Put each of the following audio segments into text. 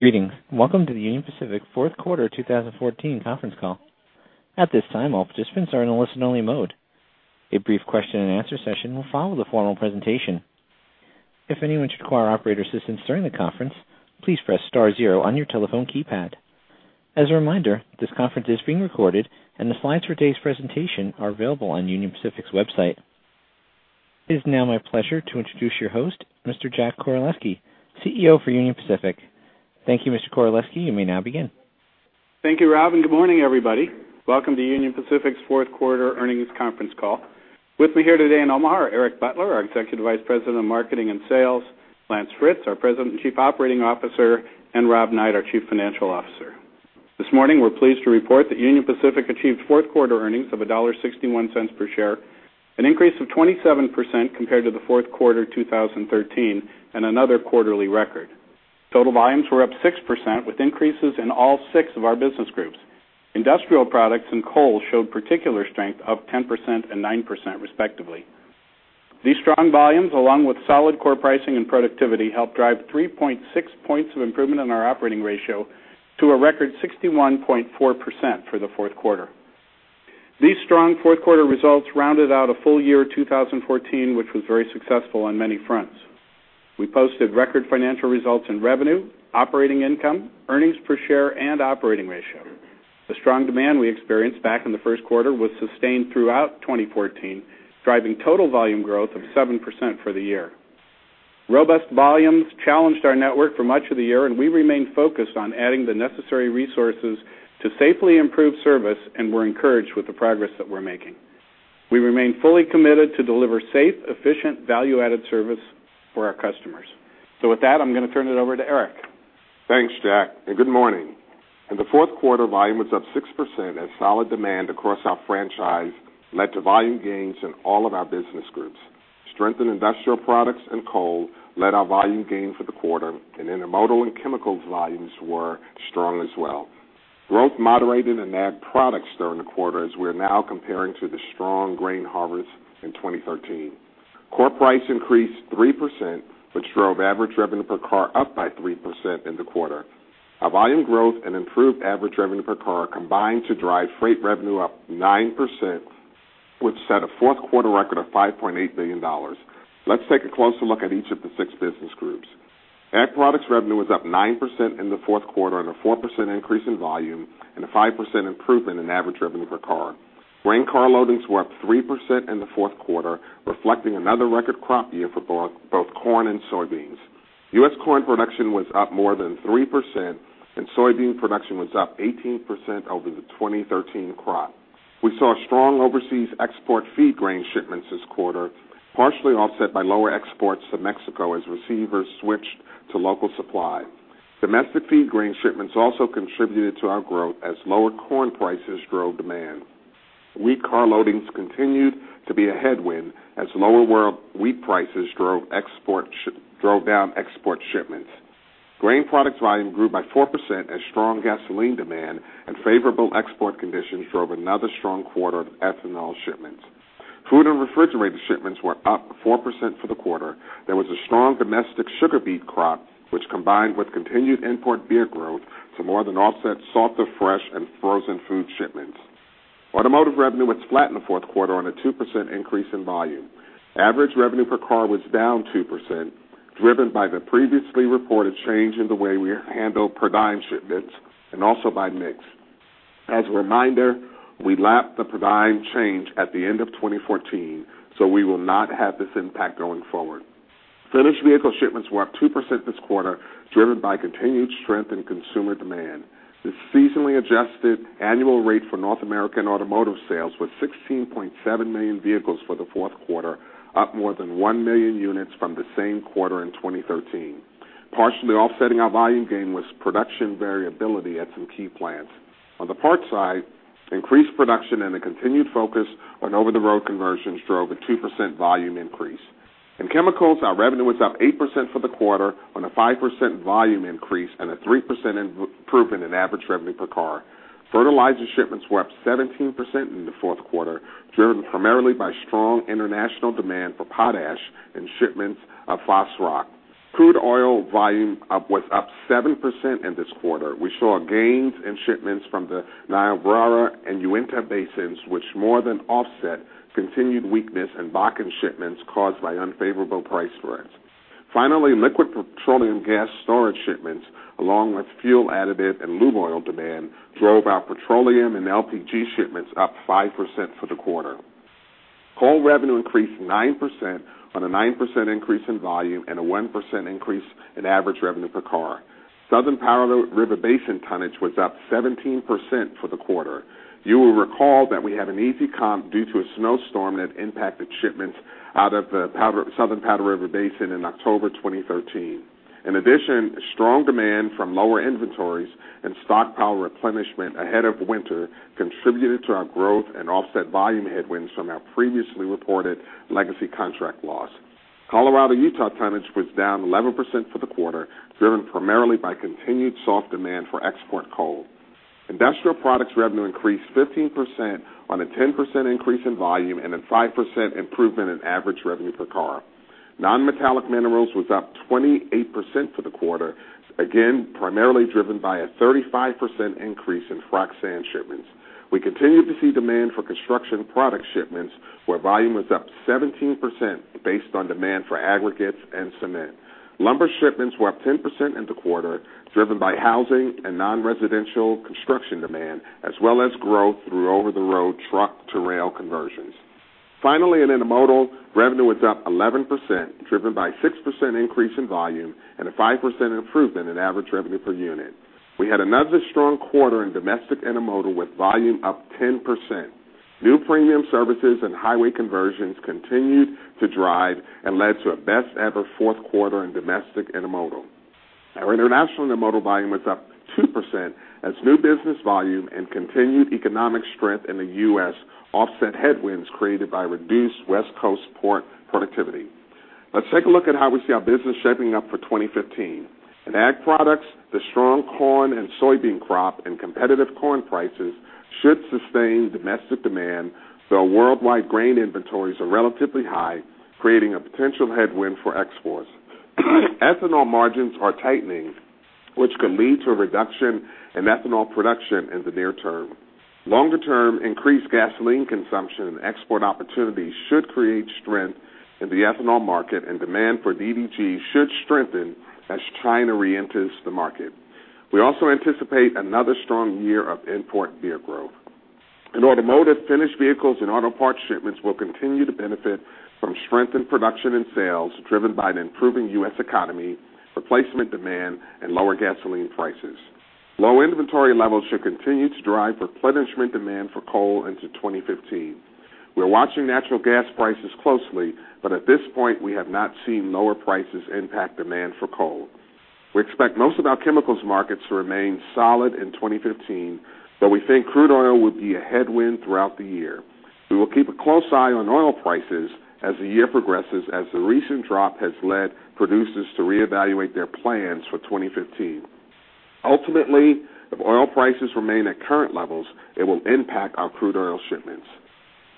...Greetings. Welcome to the Union Pacific Fourth Quarter 2014 conference call. At this time, all participants are in a listen-only mode. A brief question and answer session will follow the formal presentation. If anyone should require operator assistance during the conference, please press star zero on your telephone keypad. As a reminder, this conference is being recorded, and the slides for today's presentation are available on Union Pacific's website. It is now my pleasure to introduce your host, Mr. Jack Koraleski, CEO for Union Pacific. Thank you, Mr. Koraleski. You may now begin. Thank you, Rob, and good morning, everybody. Welcome to Union Pacific's Fourth Quarter earnings conference call. With me here today in Omaha are Eric Butler, our Executive Vice President of Marketing and Sales, Lance Fritz, our President and Chief Operating Officer, and Rob Knight, our Chief Financial Officer. This morning, we're pleased to report that Union Pacific achieved fourth quarter earnings of $1.61 per share, an increase of 27% compared to the fourth quarter 2013, and another quarterly record. Total volumes were up 6%, with increases in all six of our business groups. Industrial products and coal showed particular strength, up 10% and 9%, respectively. These strong volumes, along with solid core pricing and productivity, helped drive 3.6 points of improvement in our operating ratio to a record 61.4% for the fourth quarter. These strong fourth quarter results rounded out a full year, 2014, which was very successful on many fronts. We posted record financial results in revenue, operating income, earnings per share, and operating ratio. The strong demand we experienced back in the first quarter was sustained throughout 2014, driving total volume growth of 7% for the year. Robust volumes challenged our network for much of the year, and we remained focused on adding the necessary resources to safely improve service and we're encouraged with the progress that we're making. We remain fully committed to deliver safe, efficient, value-added service for our customers. So with that, I'm going to turn it over to Eric. Thanks, Jack, and good morning. In the fourth quarter, volume was up 6% as solid demand across our franchise led to volume gains in all of our business groups. Strengthened industrial products and coal led our volume gain for the quarter, and intermodal and chemicals volumes were strong as well. Growth moderated in Ag products during the quarter, as we are now comparing to the strong grain harvest in 2013. Core price increased 3%, which drove average revenue per car up by 3% in the quarter. Our volume growth and improved average revenue per car combined to drive freight revenue up 9%, which set a fourth quarter record of $5.8 billion. Let's take a closer look at each of the six business groups. Ag products revenue was up 9% in the fourth quarter on a 4% increase in volume and a 5% improvement in average revenue per car. Grain car loadings were up 3% in the fourth quarter, reflecting another record crop year for both corn and soybeans. U.S. corn production was up more than 3%, and soybean production was up 18% over the 2013 crop. We saw strong overseas export feed grain shipments this quarter, partially offset by lower exports to Mexico as receivers switched to local supply. Domestic feed grain shipments also contributed to our growth as lower corn prices drove demand. Wheat car loadings continued to be a headwind as lower world wheat prices drove down export shipments. Grain products volume grew by 4% as strong gasoline demand and favorable export conditions drove another strong quarter of ethanol shipments. Food and refrigerated shipments were up 4% for the quarter. There was a strong domestic sugar beet crop, which combined with continued import beer growth to more than offset softer fresh and frozen food shipments. Automotive revenue was flat in the fourth quarter on a 2% increase in volume. Average revenue per car was down 2%, driven by the previously reported change in the way we handle pristine shipments and also by mix. As a reminder, we lapped the pristine change at the end of 2014, so we will not have this impact going forward. Finished vehicle shipments were up 2% this quarter, driven by continued strength in consumer demand. The seasonally adjusted annual rate for North American automotive sales was 16.7 million vehicles for the fourth quarter, up more than 1 million units from the same quarter in 2013. Partially offsetting our volume gain was production variability at some key plants. On the parts side, increased production and a continued focus on over-the-road conversions drove a 2% volume increase. In chemicals, our revenue was up 8% for the quarter on a 5% volume increase and a 3% improvement in average revenue per car. Fertilizer shipments were up 17% in the fourth quarter, driven primarily by strong international demand for potash and shipments of phos rock. Crude oil volume was up 7% in this quarter. We saw gains in shipments from the Niobrara and Uinta Basins, which more than offset continued weakness in Bakken shipments caused by unfavorable price spreads. Finally, liquid petroleum gas storage shipments, along with fuel additive and lube oil demand, drove our petroleum and LPG shipments up 5% for the quarter. Coal revenue increased 9% on a 9% increase in volume and a 1% increase in average revenue per car. Southern Powder River Basin tonnage was up 17% for the quarter. You will recall that we had an easy comp due to a snowstorm that impacted shipments out of the Southern Powder River Basin in October 2013. In addition, strong demand from lower inventories and stockpile replenishment ahead of winter contributed to our growth and offset volume headwinds from our previously reported legacy contract loss. Colorado-Utah tonnage was down 11% for the quarter, driven primarily by continued soft demand for export coal.... Industrial products revenue increased 15% on a 10% increase in volume and a 5% improvement in average revenue per car. Nonmetallic minerals was up 28% for the quarter, again, primarily driven by a 35% increase in frac sand shipments. We continue to see demand for construction product shipments, where volume was up 17% based on demand for aggregates and cement. Lumber shipments were up 10% in the quarter, driven by housing and non-residential construction demand, as well as growth through over-the-road truck-to-rail conversions. Finally, in Intermodal, revenue was up 11%, driven by a 6% increase in volume and a 5% improvement in average revenue per unit. We had another strong quarter in Domestic Intermodal, with volume up 10%. New premium services and highway conversions continued to drive and led to a best-ever fourth quarter in Domestic Intermodal. Our international intermodal volume was up 2%, as new business volume and continued economic strength in the U.S. offset headwinds created by reduced West Coast port productivity. Let's take a look at how we see our business shaping up for 2015. In Ag Products, the strong corn and soybean crop and competitive corn prices should sustain domestic demand, though worldwide grain inventories are relatively high, creating a potential headwind for exports. Ethanol margins are tightening, which could lead to a reduction in ethanol production in the near term. Longer term, increased gasoline consumption and export opportunities should create strength in the ethanol market, and demand for DDG should strengthen as China reenters the market. We also anticipate another strong year of import beer growth. In Automotive, finished vehicles and auto parts shipments will continue to benefit from strengthened production and sales, driven by an improving U.S. economy, replacement demand, and lower gasoline prices. Low inventory levels should continue to drive replenishment demand for coal into 2015. We're watching natural gas prices closely, but at this point, we have not seen lower prices impact demand for coal. We expect most of our chemicals markets to remain solid in 2015, but we think crude oil will be a headwind throughout the year. We will keep a close eye on oil prices as the year progresses, as the recent drop has led producers to reevaluate their plans for 2015. Ultimately, if oil prices remain at current levels, it will impact our crude oil shipments.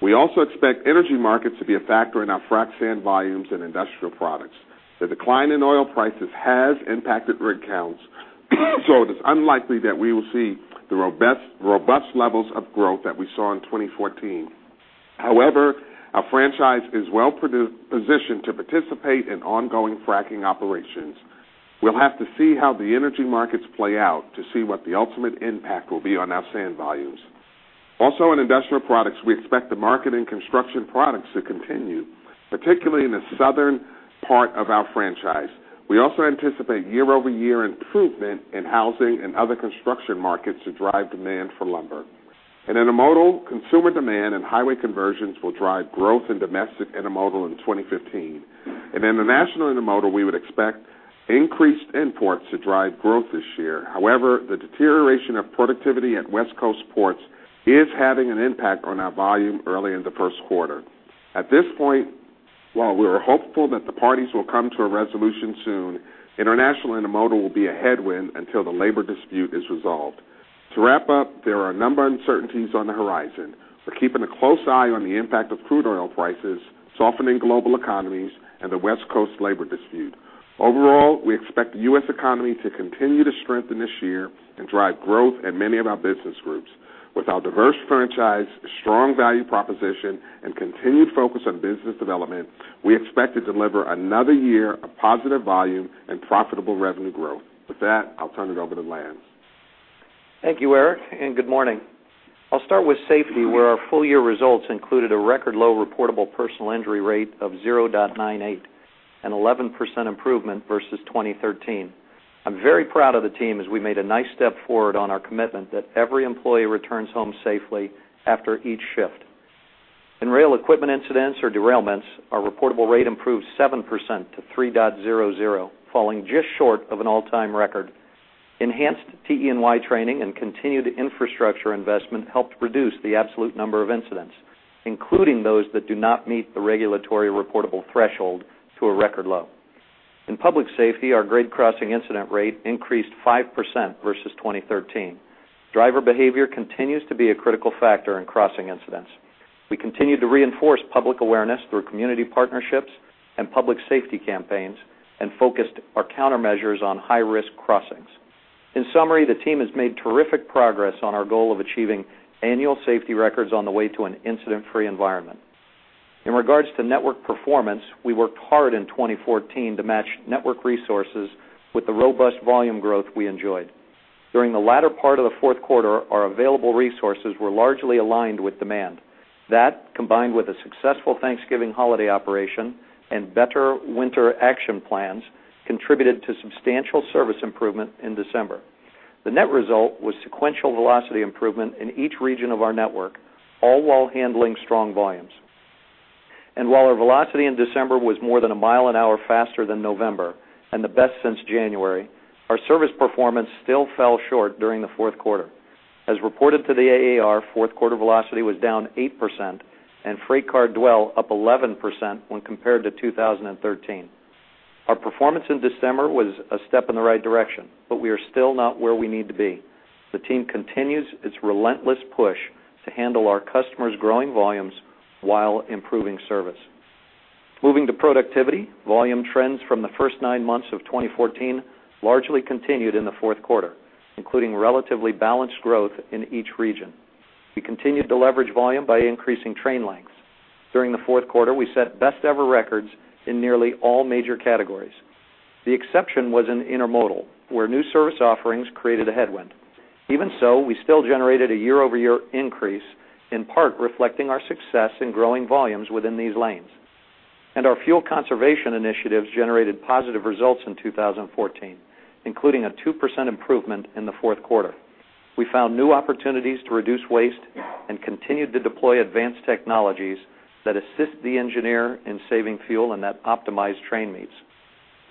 We also expect energy markets to be a factor in our frac sand volumes and industrial products. The decline in oil prices has impacted rig counts, so it is unlikely that we will see the robust, robust levels of growth that we saw in 2014. However, our franchise is well-positioned to participate in ongoing fracking operations. We'll have to see how the energy markets play out to see what the ultimate impact will be on our sand volumes. Also, in Industrial Products, we expect the market in construction products to continue, particularly in the southern part of our franchise. We also anticipate year-over-year improvement in housing and other construction markets to drive demand for lumber. In Intermodal, consumer demand and highway conversions will drive growth in domestic intermodal in 2015. In international intermodal, we would expect increased imports to drive growth this year. However, the deterioration of productivity at West Coast ports is having an impact on our volume early in the first quarter. At this point, while we are hopeful that the parties will come to a resolution soon, international intermodal will be a headwind until the labor dispute is resolved. To wrap up, there are a number of uncertainties on the horizon. We're keeping a close eye on the impact of crude oil prices, softening global economies, and the West Coast labor dispute. Overall, we expect the U.S. economy to continue to strengthen this year and drive growth in many of our business groups. With our diverse franchise, strong value proposition, and continued focus on business development, we expect to deliver another year of positive volume and profitable revenue growth. With that, I'll turn it over to Lance. Thank you, Eric, and good morning. I'll start with safety, where our full-year results included a record-low reportable personal injury rate of 0.98, an 11% improvement versus 2013. I'm very proud of the team, as we made a nice step forward on our commitment that every employee returns home safely after each shift. In rail equipment incidents or derailments, our reportable rate improved 7% to 3.00, falling just short of an all-time record. Enhanced TE&Y training and continued infrastructure investment helped reduce the absolute number of incidents, including those that do not meet the regulatory reportable threshold, to a record low. In public safety, our grade crossing incident rate increased 5% versus 2013. Driver behavior continues to be a critical factor in crossing incidents. We continued to reinforce public awareness through community partnerships and public safety campaigns and focused our countermeasures on high-risk crossings. In summary, the team has made terrific progress on our goal of achieving annual safety records on the way to an incident-free environment. In regards to network performance, we worked hard in 2014 to match network resources with the robust volume growth we enjoyed. During the latter part of the fourth quarter, our available resources were largely aligned with demand. That, combined with a successful Thanksgiving holiday operation and better winter action plans, contributed to substantial service improvement in December. The net result was sequential velocity improvement in each region of our network, all while handling strong volumes. And while our velocity in December was more than a mile an hour faster than November and the best since January, our service performance still fell short during the fourth quarter. As reported to the AAR, fourth quarter velocity was down 8% and freight car dwell up 11% when compared to 2013.... Our performance in December was a step in the right direction, but we are still not where we need to be. The team continues its relentless push to handle our customers' growing volumes while improving service. Moving to productivity, volume trends from the first nine months of 2014 largely continued in the fourth quarter, including relatively balanced growth in each region. We continued to leverage volume by increasing train length. During the fourth quarter, we set best-ever records in nearly all major categories. The exception was in intermodal, where new service offerings created a headwind. Even so, we still generated a year-over-year increase, in part reflecting our success in growing volumes within these lanes. And our fuel conservation initiatives generated positive results in 2014, including a 2% improvement in the fourth quarter. We found new opportunities to reduce waste and continued to deploy advanced technologies that assist the engineer in saving fuel and that optimize train needs.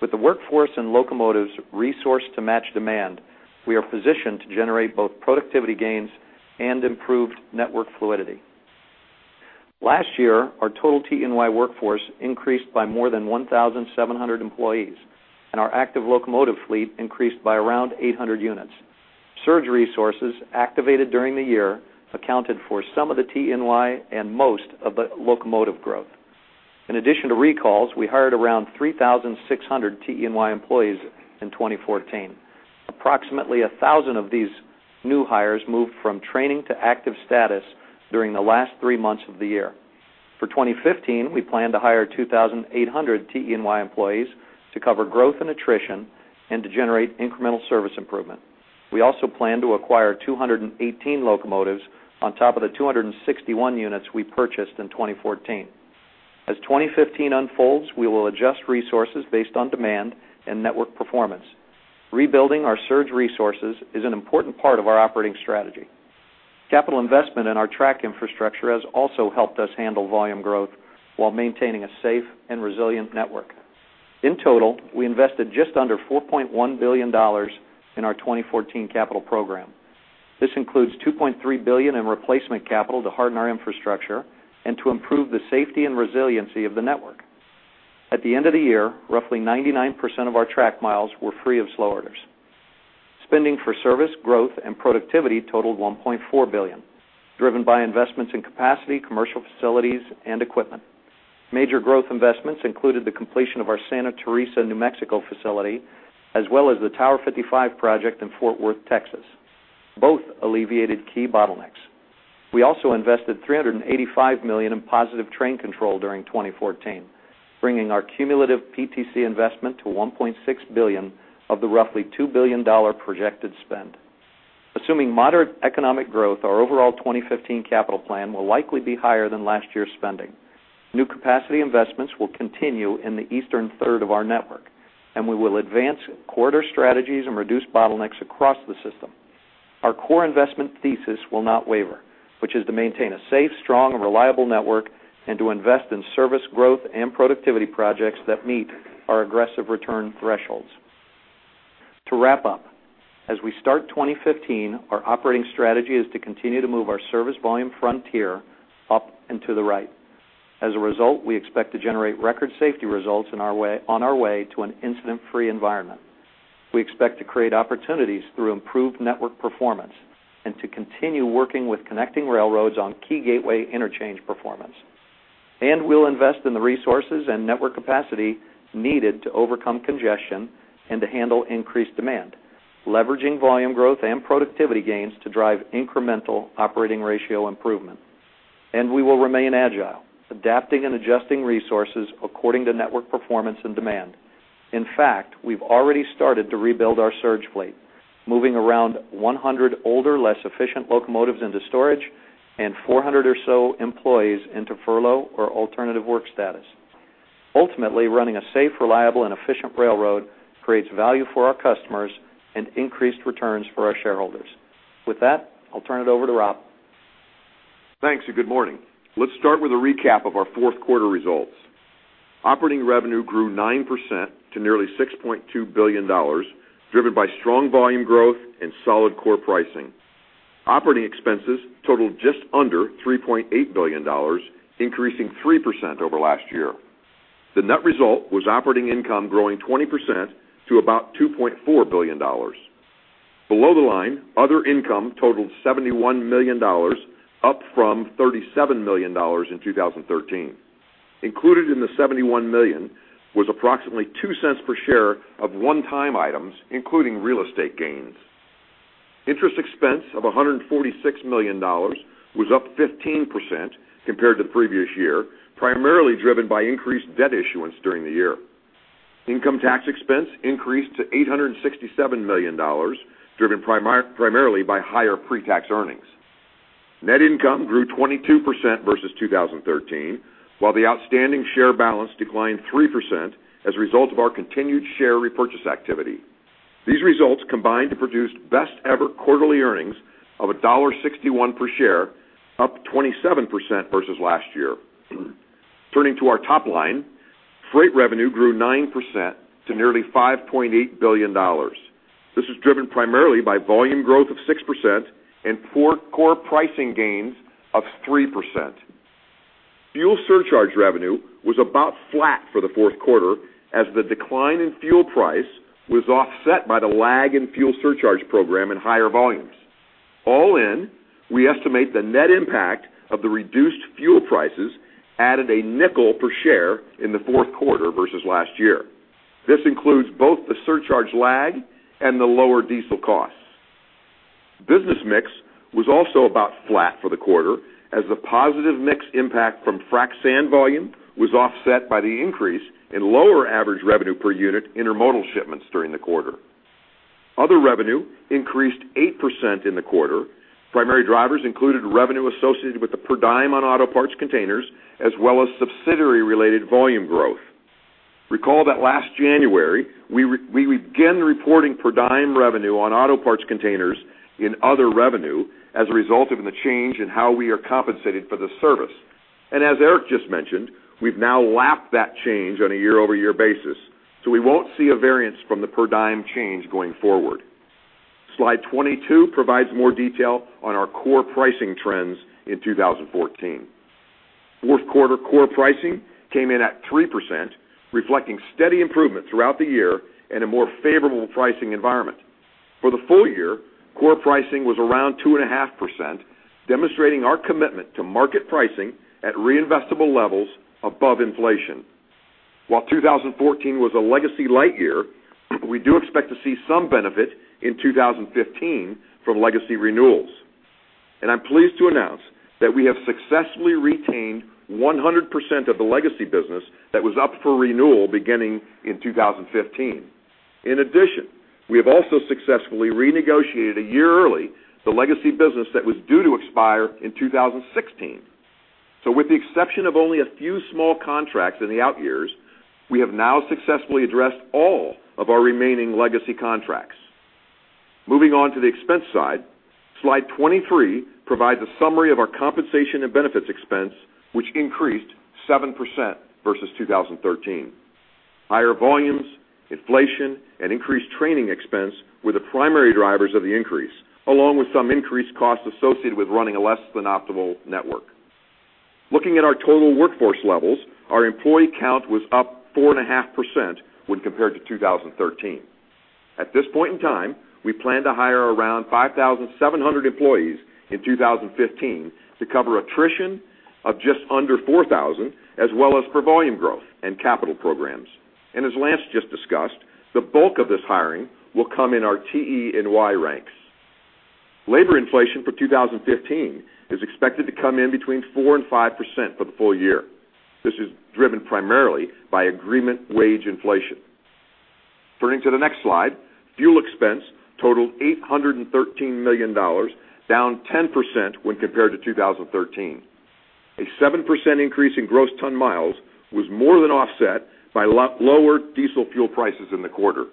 With the workforce and locomotives resourced to match demand, we are positioned to generate both productivity gains and improved network fluidity. Last year, our total TE&Y workforce increased by more than 1,700 employees, and our active locomotive fleet increased by around 800 units. Surge resources activated during the year accounted for some of the TE&Y and most of the locomotive growth. In addition to recalls, we hired around 3,600 TE&Y employees in 2014. Approximately 1,000 of these new hires moved from training to active status during the last three months of the year. For 2015, we plan to hire 2,800 TE&Y employees to cover growth and attrition and to generate incremental service improvement. We also plan to acquire 218 locomotives on top of the 261 units we purchased in 2014. As 2015 unfolds, we will adjust resources based on demand and network performance. Rebuilding our surge resources is an important part of our operating strategy. Capital investment in our track infrastructure has also helped us handle volume growth while maintaining a safe and resilient network. In total, we invested just under $4.1 billion in our 2014 capital program. This includes $2.3 billion in replacement capital to harden our infrastructure and to improve the safety and resiliency of the network. At the end of the year, roughly 99% of our track miles were free of slow orders. Spending for service, growth, and productivity totaled $1.4 billion, driven by investments in capacity, commercial facilities, and equipment. Major growth investments included the completion of our Santa Teresa, New Mexico, facility, as well as the Tower 55 project in Fort Worth, Texas. Both alleviated key bottlenecks. We also invested $385 million in positive train control during 2014, bringing our cumulative PTC investment to $1.6 billion of the roughly $2 billion projected spend. Assuming moderate economic growth, our overall 2015 capital plan will likely be higher than last year's spending. New capacity investments will continue in the eastern third of our network, and we will advance corridor strategies and reduce bottlenecks across the system. Our core investment thesis will not waver, which is to maintain a safe, strong, and reliable network and to invest in service growth and productivity projects that meet our aggressive return thresholds. To wrap up, as we start 2015, our operating strategy is to continue to move our service volume frontier up and to the right. As a result, we expect to generate record safety results on our way to an incident-free environment. We expect to create opportunities through improved network performance and to continue working with connecting railroads on key gateway interchange performance. And we'll invest in the resources and network capacity needed to overcome congestion and to handle increased demand, leveraging volume growth and productivity gains to drive incremental operating ratio improvement. And we will remain agile, adapting and adjusting resources according to network performance and demand. In fact, we've already started to rebuild our surge fleet, moving around 100 older, less efficient locomotives into storage and 400 or so employees into furlough or alternative work status. Ultimately, running a safe, reliable, and efficient railroad creates value for our customers and increased returns for our shareholders. With that, I'll turn it over to Rob. Thanks, and good morning. Let's start with a recap of our fourth quarter results. Operating revenue grew 9% to nearly $6.2 billion, driven by strong volume growth and solid core pricing. Operating expenses totaled just under $3.8 billion, increasing 3% over last year. The net result was operating income growing 20% to about $2.4 billion. Below the line, other income totaled $71 million, up from $37 million in 2013. Included in the $71 million was approximately $0.02 per share of one-time items, including real estate gains. Interest expense of $146 million was up 15% compared to the previous year, primarily driven by increased debt issuance during the year. Income tax expense increased to $867 million, driven primarily by higher pretax earnings. Net income grew 22% versus 2013, while the outstanding share balance declined 3% as a result of our continued share repurchase activity. These results combined to produce best-ever quarterly earnings of $1.61 per share, up 27% versus last year. Turning to our top line, freight revenue grew 9% to nearly $5.8 billion. This is driven primarily by volume growth of 6% and core pricing gains of 3%. Fuel surcharge revenue was about flat for the fourth quarter as the decline in fuel price was offset by the lag in fuel surcharge program and higher volumes. All in, we estimate the net impact of the reduced fuel prices added $0.05 per share in the fourth quarter versus last year. This includes both the surcharge lag and the lower diesel costs. Business mix was also about flat for the quarter, as the positive mix impact from frac sand volume was offset by the increase in lower average revenue per unit Intermodal shipments during the quarter. Other revenue increased 8% in the quarter. Primary drivers included revenue associated with the per diem on auto parts containers, as well as subsidiary-related volume growth. Recall that last January, we began reporting per diem revenue on auto parts containers in other revenue as a result of the change in how we are compensated for the service. And as Eric just mentioned, we've now lapped that change on a year-over-year basis, so we won't see a variance from the per diem change going forward. Slide 22 provides more detail on our core pricing trends in 2014. Fourth quarter core pricing came in at 3%, reflecting steady improvement throughout the year and a more favorable pricing environment. For the full year, core pricing was around 2.5%, demonstrating our commitment to market pricing at reinvestable levels above inflation. While 2014 was a legacy light year, we do expect to see some benefit in 2015 from legacy renewals. I'm pleased to announce that we have successfully retained 100% of the legacy business that was up for renewal beginning in 2015. In addition, we have also successfully renegotiated a year early, the legacy business that was due to expire in 2016. With the exception of only a few small contracts in the out years, we have now successfully addressed all of our remaining legacy contracts. Moving on to the expense side, Slide 23 provides a summary of our compensation and benefits expense, which increased 7% versus 2013. Higher volumes, inflation, and increased training expense were the primary drivers of the increase, along with some increased costs associated with running a less than optimal network. Looking at our total workforce levels, our employee count was up 4.5% when compared to 2013. At this point in time, we plan to hire around 5,700 employees in 2015 to cover attrition of just under 4,000, as well as for volume growth and capital programs. As Lance just discussed, the bulk of this hiring will come in our TE&Y ranks. Labor inflation for 2015 is expected to come in between 4% and 5% for the full year. This is driven primarily by agreement wage inflation. Turning to the next slide, fuel expense totaled $813 million, down 10% when compared to 2013. A 7% increase in gross ton miles was more than offset by lower diesel fuel prices in the quarter.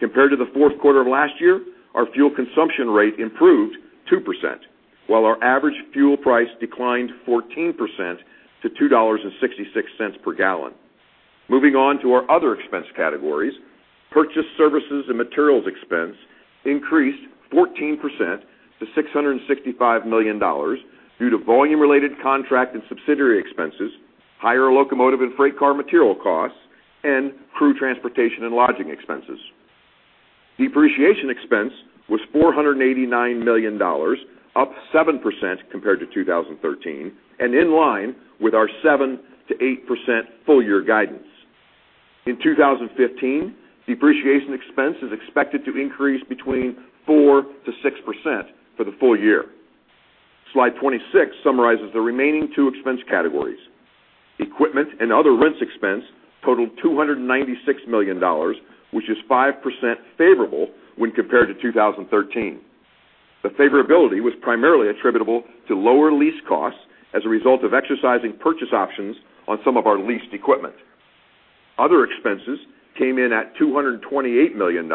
Compared to the fourth quarter of last year, our fuel consumption rate improved 2%, while our average fuel price declined 14% to $2.66 per gallon. Moving on to our other expense categories, purchase services and materials expense increased 14% to $665 million due to volume-related contract and subsidiary expenses, higher locomotive and freight car material costs, and crew transportation and lodging expenses. Depreciation expense was $489 million, up 7% compared to 2013, and in line with our 7%-8% full year guidance. In 2015, depreciation expense is expected to increase between 4%-6% for the full year. Slide 26 summarizes the remaining two expense categories. Equipment and other rents expense totaled $296 million, which is 5% favorable when compared to 2013. The favorability was primarily attributable to lower lease costs as a result of exercising purchase options on some of our leased equipment. Other expenses came in at $228 million,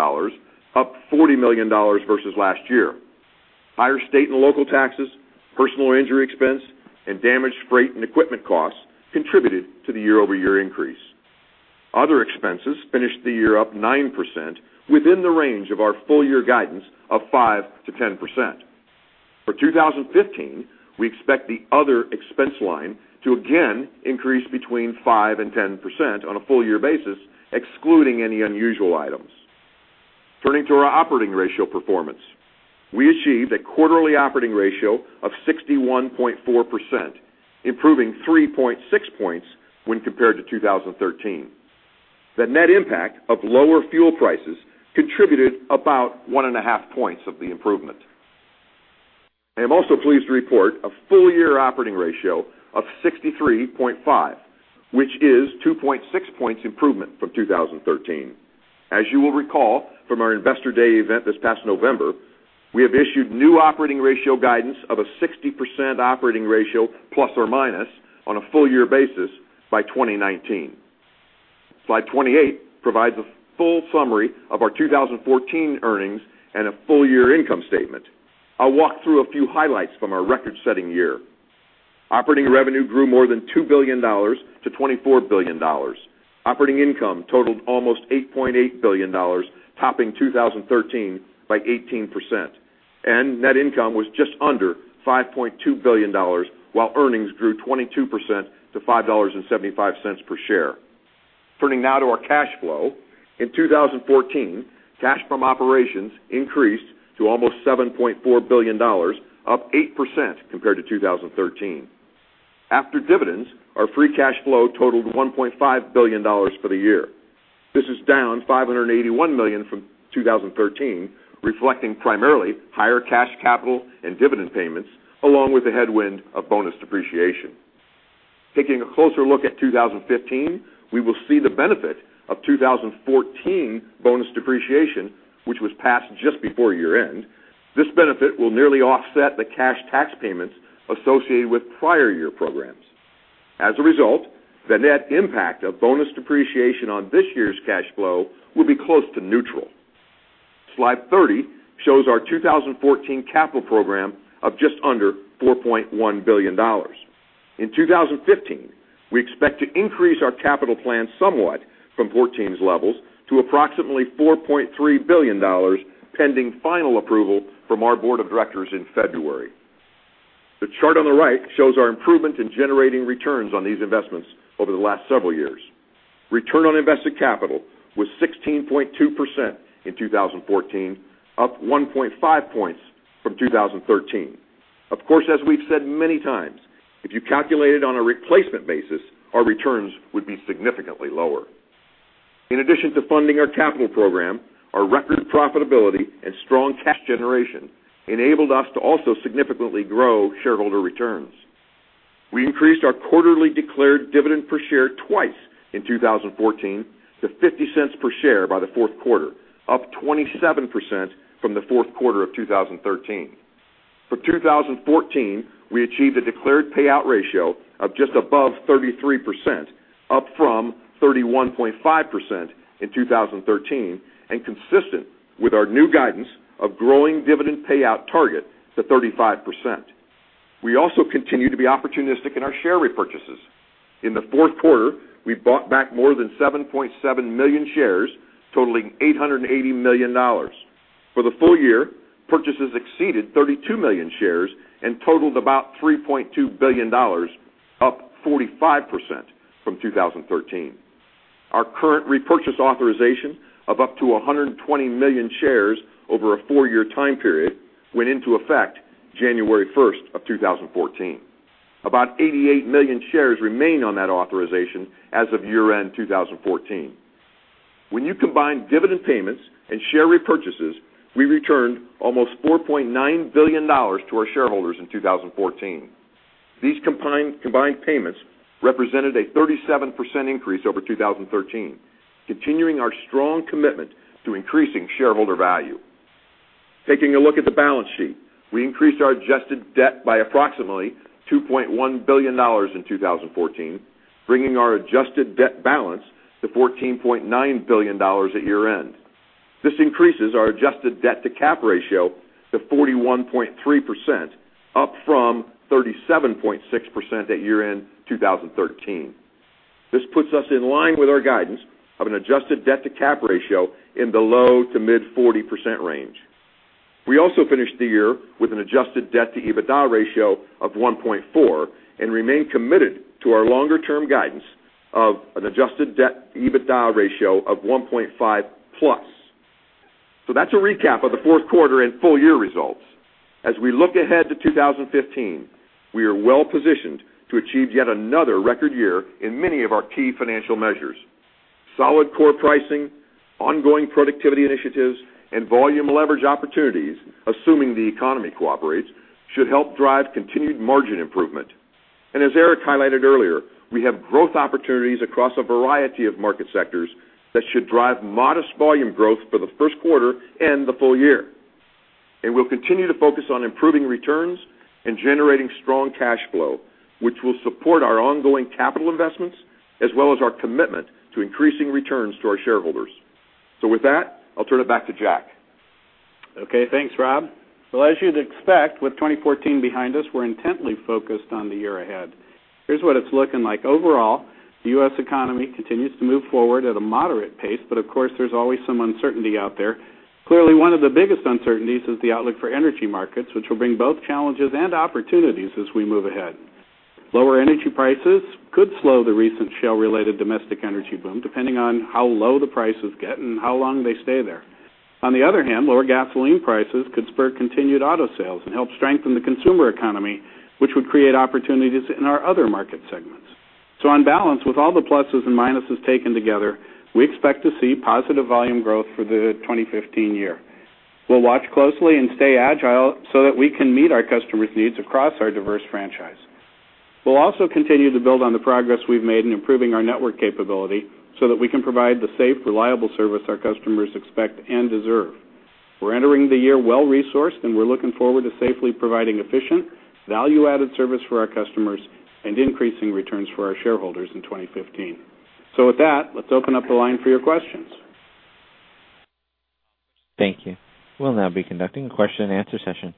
up $40 million versus last year. Higher state and local taxes, personal injury expense, and damaged freight and equipment costs contributed to the year-over-year increase. Other expenses finished the year up 9%, within the range of our full year guidance of 5%-10%. For 2015, we expect the other expense line to again increase between 5% and 10% on a full year basis, excluding any unusual items. Turning to our operating ratio performance, we achieved a quarterly operating ratio of 61.4%, improving 3.6 points when compared to 2013. The net impact of lower fuel prices contributed about 1.5 points of the improvement. I am also pleased to report a full year operating ratio of 63.5, which is 2.6 points improvement from 2013. As you will recall from our Investor Day event this past November, we have issued new operating ratio guidance of a 60% operating ratio ± on a full-year basis by 2019. Slide 28 provides a full summary of our 2014 earnings and a full-year income statement. I'll walk through a few highlights from our record-setting year. Operating revenue grew more than $2 billion-$24 billion. Operating income totaled almost $8.8 billion, topping 2013 by 18%...and net income was just under $5.2 billion, while earnings grew 22% to $5.75 per share. Turning now to our cash flow. In 2014, cash from operations increased to almost $7.4 billion, up 8% compared to 2013. After dividends, our free cash flow totaled $1.5 billion for the year. This is down 581 million from 2013, reflecting primarily higher cash capital and dividend payments, along with the headwind of bonus depreciation. Taking a closer look at 2015, we will see the benefit of 2014 bonus depreciation, which was passed just before year-end. This benefit will nearly offset the cash tax payments associated with prior year programs. As a result, the net impact of bonus depreciation on this year's cash flow will be close to neutral. Slide 30 shows our 2014 capital program of just under $4.1 billion. In 2015, we expect to increase our capital plan somewhat from 2014's levels to approximately $4.3 billion, pending final approval from our board of directors in February. The chart on the right shows our improvement in generating returns on these investments over the last several years. Return on invested capital was 16.2% in 2014, up 1.5 points from 2013. Of course, as we've said many times, if you calculate it on a replacement basis, our returns would be significantly lower. In addition to funding our capital program, our record profitability and strong cash generation enabled us to also significantly grow shareholder returns. We increased our quarterly declared dividend per share twice in 2014, to $0.50 per share by the fourth quarter, up 27% from the fourth quarter of 2013. For 2014, we achieved a declared payout ratio of just above 33%, up from 31.5% in 2013, and consistent with our new guidance of growing dividend payout target to 35%. We also continue to be opportunistic in our share repurchases. In the fourth quarter, we bought back more than 7.7 million shares, totaling $880 million. For the full year, purchases exceeded 32 million shares and totaled about $3.2 billion, up 45% from 2013. Our current repurchase authorization of up to 120 million shares over a four-year time period went into effect January 1, 2014. About 88 million shares remain on that authorization as of year-end 2014. When you combine dividend payments and share repurchases, we returned almost $4.9 billion to our shareholders in 2014. These combined payments represented a 37% increase over 2013, continuing our strong commitment to increasing shareholder value. Taking a look at the balance sheet, we increased our adjusted debt by approximately $2.1 billion in 2014, bringing our adjusted debt balance to $14.9 billion at year-end. This increases our adjusted debt-to-cap ratio to 41.3%, up from 37.6% at year-end 2013. This puts us in line with our guidance of an adjusted debt-to-cap ratio in the low- to mid-40% range. We also finished the year with an adjusted debt-to-EBITDA ratio of 1.4, and remain committed to our longer term guidance of an adjusted debt-to-EBITDA ratio of 1.5+. So that's a recap of the fourth quarter and full year results. As we look ahead to 2015, we are well positioned to achieve yet another record year in many of our key financial measures. Solid core pricing, ongoing productivity initiatives, and volume leverage opportunities, assuming the economy cooperates, should help drive continued margin improvement. As Eric highlighted earlier, we have growth opportunities across a variety of market sectors that should drive modest volume growth for the first quarter and the full year. We'll continue to focus on improving returns and generating strong cash flow, which will support our ongoing capital investments, as well as our commitment to increasing returns to our shareholders. With that, I'll turn it back to Jack. Okay, thanks, Rob. Well, as you'd expect, with 2014 behind us, we're intently focused on the year ahead. Here's what it's looking like. Overall, the U.S. economy continues to move forward at a moderate pace, but of course, there's always some uncertainty out there. Clearly, one of the biggest uncertainties is the outlook for energy markets, which will bring both challenges and opportunities as we move ahead. Lower energy prices could slow the recent shale-related domestic energy boom, depending on how low the prices get and how long they stay there. On the other hand, lower gasoline prices could spur continued auto sales and help strengthen the consumer economy, which would create opportunities in our other market segments. So on balance, with all the pluses and minuses taken together, we expect to see positive volume growth for the 2015 year. We'll watch closely and stay agile so that we can meet our customers' needs across our diverse franchise. We'll also continue to build on the progress we've made in improving our network capability so that we can provide the safe, reliable service our customers expect and deserve. We're entering the year well-resourced, and we're looking forward to safely providing efficient, value-added service for our customers and increasing returns for our shareholders in 2015. So with that, let's open up the line for your questions. Thank you. We'll now be conducting a question-and-answer session....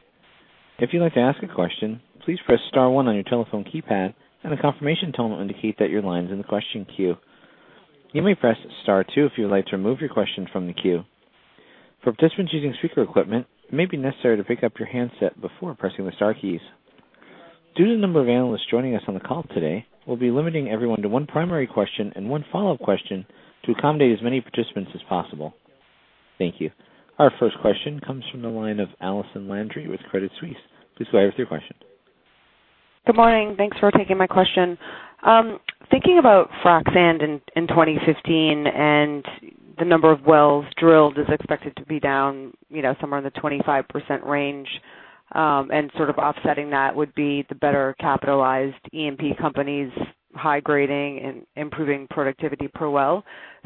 If you'd like to ask a question, please press star one on your telephone keypad, and a confirmation tone will indicate that your line's in the question queue. You may press star two if you'd like to remove your question from the queue. For participants using speaker equipment, it may be necessary to pick up your handset before pressing the star keys. Due to the number of analysts joining us on the call today, we'll be limiting everyone to one primary question and one follow-up question to accommodate as many participants as possible. Thank you. Our first question comes from the line of Allison Landry with Credit Suisse. Please go ahead with your question. Good morning. Thanks for taking my question. Thinking about frac sand in 2015 and the number of wells drilled is expected to be down, you know, somewhere in the 25% range, and sort of offsetting that would be the better capitalized EMP companies, high grading and improving productivity per well.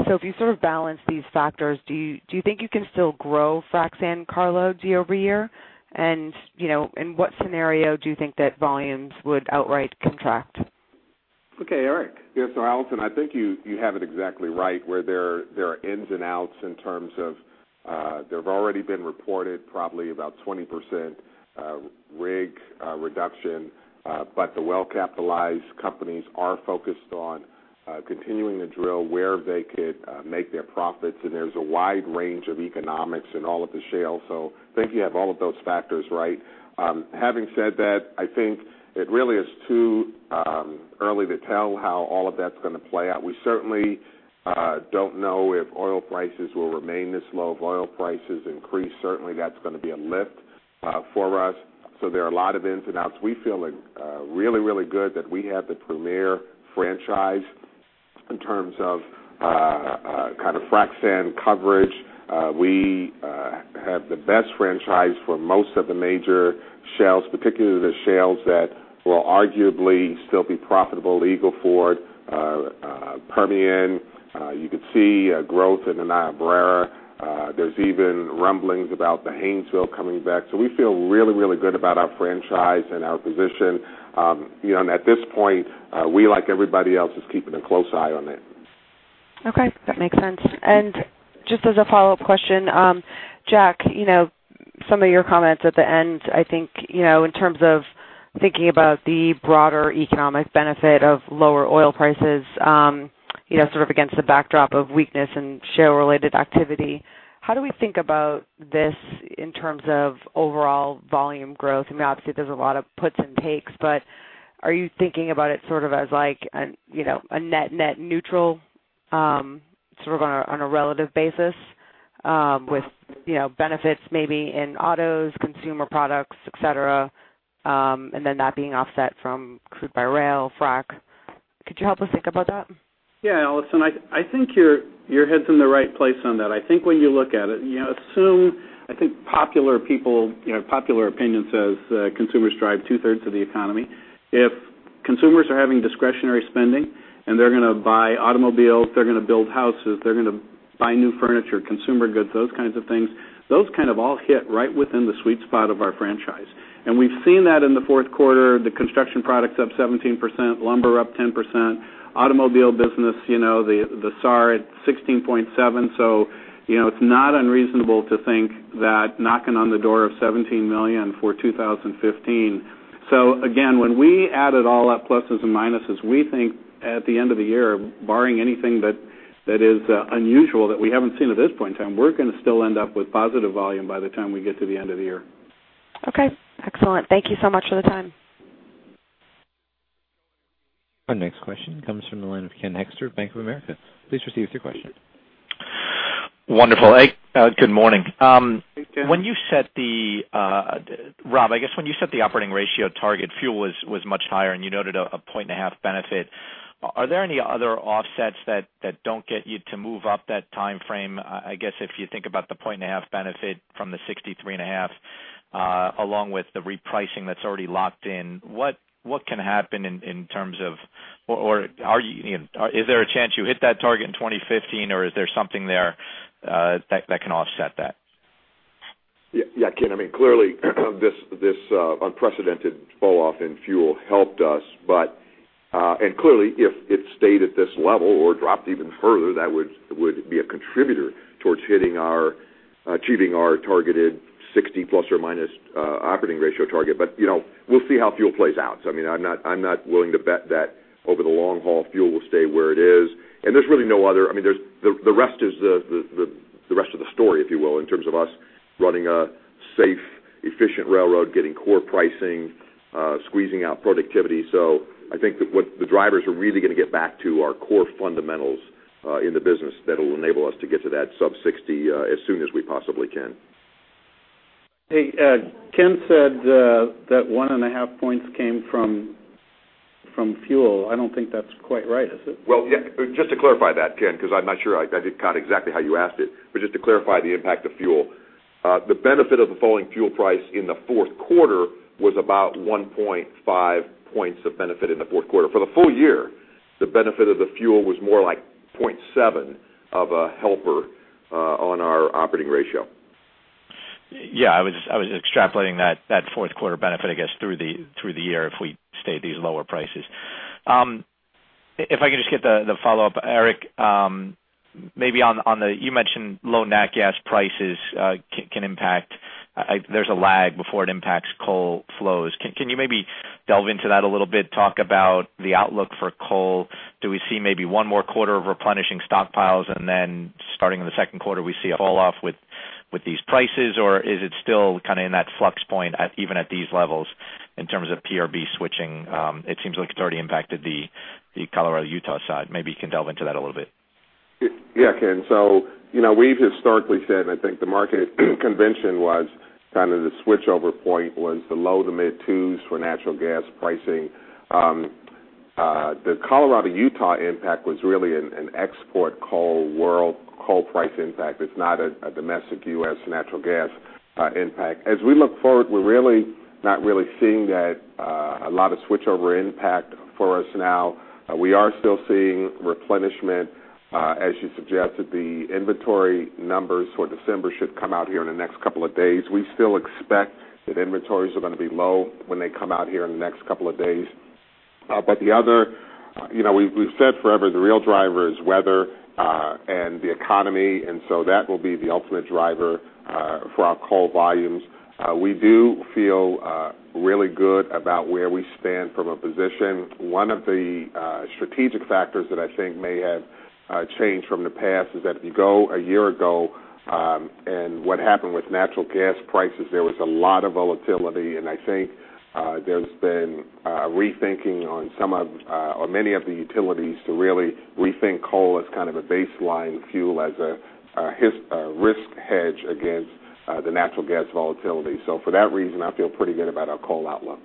So if you sort of balance these factors, do you think you can still grow frac sand carloads year-over-year? And, you know, in what scenario do you think that volumes would outright contract? Okay, Eric? Yes. So Allison, I think you have it exactly right, where there are ins and outs in terms of, they've already been reported, probably about 20%, rig reduction. But the well-capitalized companies are focused on continuing to drill where they could make their profits, and there's a wide range of economics in all of the shale. So I think you have all of those factors right. Having said that, I think it really is too early to tell how all of that's gonna play out. We certainly don't know if oil prices will remain this low. If oil prices increase, certainly that's gonna be a lift for us. So there are a lot of ins and outs. We feel really, really good that we have the premier franchise in terms of kind of frac sand coverage. We have the best franchise for most of the major shales, particularly the shales that will arguably still be profitable, Eagle Ford, Permian. You could see growth in the Niobrara. There's even rumblings about the Haynesville coming back. So we feel really, really good about our franchise and our position. You know, and at this point, we, like everybody else, is keeping a close eye on it. Okay, that makes sense. Just as a follow-up question, Jack, you know, some of your comments at the end, I think, you know, in terms of thinking about the broader economic benefit of lower oil prices, you know, sort of against the backdrop of weakness and shale-related activity, how do we think about this in terms of overall volume growth? I mean, obviously, there's a lot of puts and takes, but are you thinking about it sort of as like an, you know, a net, net neutral, sort of on a, on a relative basis, with, you know, benefits maybe in autos, consumer products, et cetera, and then that being offset from crude by rail, frac? Could you help us think about that? Yeah, Allison, I, I think your, your head's in the right place on that. I think when you look at it, you assume. I think popular people, you know, popular opinion says, consumers drive two-thirds of the economy. If consumers are having discretionary spending and they're gonna buy automobiles, they're gonna build houses, they're gonna buy new furniture, consumer goods, those kinds of things, those kind of all hit right within the sweet spot of our franchise. And we've seen that in the fourth quarter, the construction products up 17%, lumber up 10%, automobile business, you know, the, the SAAR at 16.7. So, you know, it's not unreasonable to think that knocking on the door of 17 million for 2015. So again, when we add it all up, pluses and minuses, we think at the end of the year, barring anything that is unusual, that we haven't seen at this point in time, we're gonna still end up with positive volume by the time we get to the end of the year. Okay, excellent. Thank you so much for the time. Our next question comes from the line of Ken Hoexter, Bank of America. Please proceed with your question. Wonderful. Hey, good morning. Hey, Ken. Rob, I guess when you set the operating ratio target, fuel was much higher, and you noted a 1.5-point benefit. Are there any other offsets that don't get you to move up that time frame? I guess if you think about the 1.5-point benefit from the 63.5, along with the repricing that's already locked in, what can happen in terms of—or are you, you know, is there a chance you hit that target in 2015, or is there something there that can offset that? Yeah, yeah, Ken, I mean, clearly, this unprecedented falloff in fuel helped us. But clearly, if it stayed at this level or dropped even further, that would be a contributor towards hitting our, achieving our targeted 60 ± operating ratio target. But, you know, we'll see how fuel plays out. I mean, I'm not, I'm not willing to bet that over the long haul, fuel will stay where it is, and there's really no other - I mean, there's the rest of the story, if you will, in terms of us running a safe, efficient railroad, getting core pricing, squeezing out productivity. So I think that what the drivers are really gonna get back to are core fundamentals in the business that will enable us to get to that sub 60 as soon as we possibly can. Hey, Ken said that 1.5 points came from fuel. I don't think that's quite right, is it? Well, yeah, just to clarify that, Ken, because I'm not sure I did count exactly how you asked it, but just to clarify the impact of fuel. The benefit of the falling fuel price in the fourth quarter was about 1.5 points of benefit in the fourth quarter. For the full year, the benefit of the fuel was more like 0.7 of a helper on our operating ratio. Yeah, I was extrapolating that fourth quarter benefit, I guess, through the year, if we stay at these lower prices. If I can just get the follow-up, Eric, maybe on the, you mentioned low nat gas prices can impact, there's a lag before it impacts coal flows. Can you maybe delve into that a little bit? Talk about the outlook for coal. Do we see maybe one more quarter of replenishing stockpiles, and then starting in the second quarter, we see a falloff with these prices? Or is it still kind of in that flux point at even at these levels, in terms of PRB switching? It seems like it's already impacted the Colorado-Utah side. Maybe you can delve into that a little bit. Yeah, Ken. So, you know, we've historically said, and I think the market convention was kind of the switchover point, was the low-to-mid $2s for natural gas pricing. The Colorado-Utah impact was really an export coal world, coal price impact. It's not a domestic U.S. natural gas impact. As we look forward, we're really not seeing that a lot of switchover impact for us now. We are still seeing replenishment, as you suggested, the inventory numbers for December should come out here in the next couple of days. We still expect that inventories are gonna be low when they come out here in the next couple of days. But the other, you know, we've said forever, the real driver is weather and the economy, and so that will be the ultimate driver for our coal volumes. We do feel really good about where we stand from a position. One of the strategic factors that I think may have changed from the past is that if you go a year ago, and what happened with natural gas prices, there was a lot of volatility. And I think there's been rethinking on some of or many of the utilities to really rethink coal as kind of a baseline fuel as a risk hedge against the natural gas volatility. So for that reason, I feel pretty good about our coal outlook.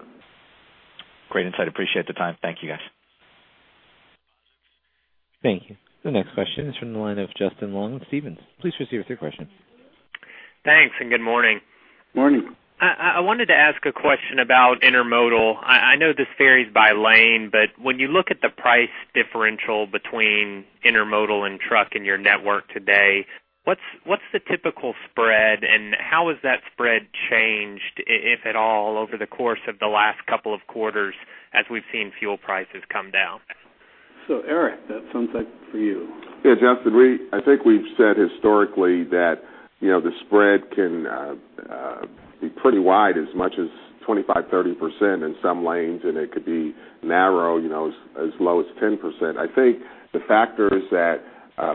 Great insight. Appreciate the time. Thank you, guys. Thank you. The next question is from the line of Justin Long of Stephens. Please proceed with your question. Thanks, and good morning. Morning. I wanted to ask a question about intermodal. I know this varies by lane, but when you look at the price differential between intermodal and truck in your network today, what's the typical spread, and how has that spread changed, if at all, over the course of the last couple of quarters as we've seen fuel prices come down? So, Eric, that sounds like for you. Yeah, Justin, I think we've said historically that, you know, the spread can be pretty wide, as much as 25-30% in some lanes, and it could be narrow, you know, as low as 10%. I think the factors that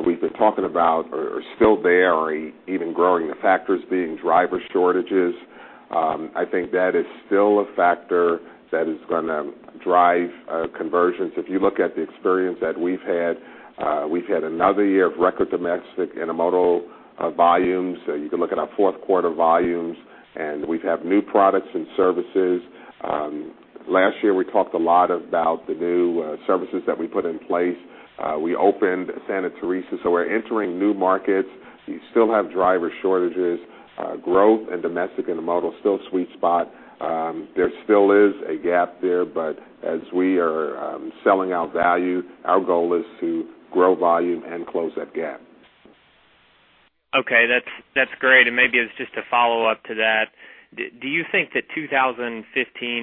we've been talking about are still there or even growing, the factors being driver shortages. I think that is still a factor that is gonna drive conversions. If you look at the experience that we've had, we've had another year of record domestic intermodal volumes. So you can look at our fourth quarter volumes, and we have new products and services. Last year, we talked a lot about the new services that we put in place. We opened Santa Teresa, so we're entering new markets. We still have driver shortages, growth and domestic intermodal, still sweet spot. There still is a gap there, but as we are, selling our value, our goal is to grow volume and close that gap. Okay, that's, that's great, and maybe it's just a follow-up to that. Do you think that 2015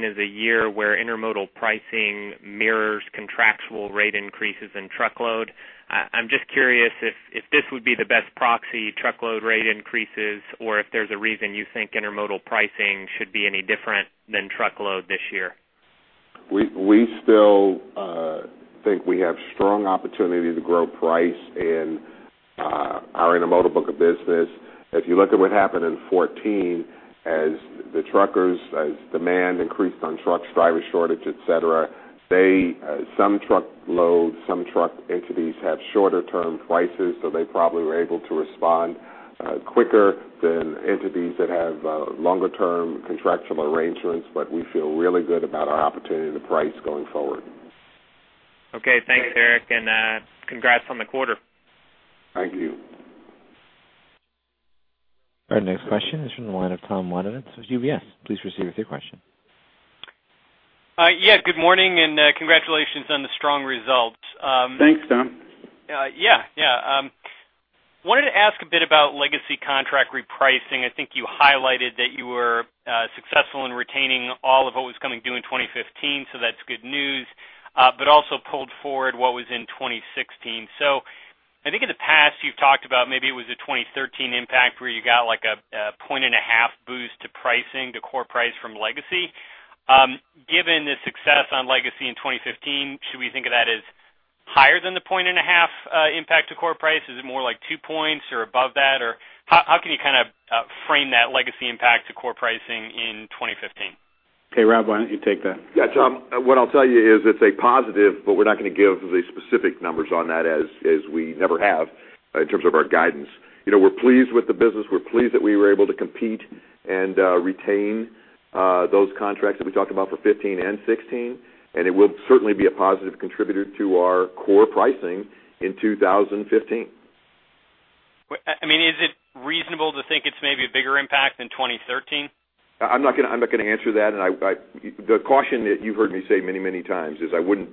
is a year where intermodal pricing mirrors contractual rate increases in truckload? I'm just curious if, if this would be the best proxy, truckload rate increases, or if there's a reason you think intermodal pricing should be any different than truckload this year. We still think we have strong opportunity to grow price in our intermodal book of business. If you look at what happened in 2014, as the truckers, as demand increased on trucks, driver shortage, et cetera, they some truckloads, some truck entities had shorter-term prices, so they probably were able to respond quicker than entities that have longer-term contractual arrangements. But we feel really good about our opportunity to price going forward. Okay, thanks, Eric, and congrats on the quarter. Thank you. Our next question is from the line of Tom Wadewitz with UBS. Please proceed with your question. Yes, good morning, and congratulations on the strong results. Thanks, Tom. Yeah, yeah. Wanted to ask a bit about legacy contract repricing. I think you highlighted that you were successful in retaining all of what was coming due in 2015, so that's good news, but also pulled forward what was in 2016. So I think in the past, you've talked about maybe it was a 2013 impact, where you got, like, a 1.5-point boost to pricing, to core price from legacy. Given the success on legacy in 2015, should we think of that as higher than the 1.5-point impact to core price? Is it more like 2 points or above that? Or how, how can you kind of frame that legacy impact to core pricing in 2015? Okay, Rob, why don't you take that? Yeah, Tom, what I'll tell you is it's a positive, but we're not gonna give the specific numbers on that as we never have in terms of our guidance. You know, we're pleased with the business. We're pleased that we were able to compete and retain those contracts that we talked about for 2015 and 2016, and it will certainly be a positive contributor to our core pricing in 2015. Well, I mean, is it reasonable to think it's maybe a bigger impact than 2013? I'm not gonna answer that, and the caution that you've heard me say many, many times is I wouldn't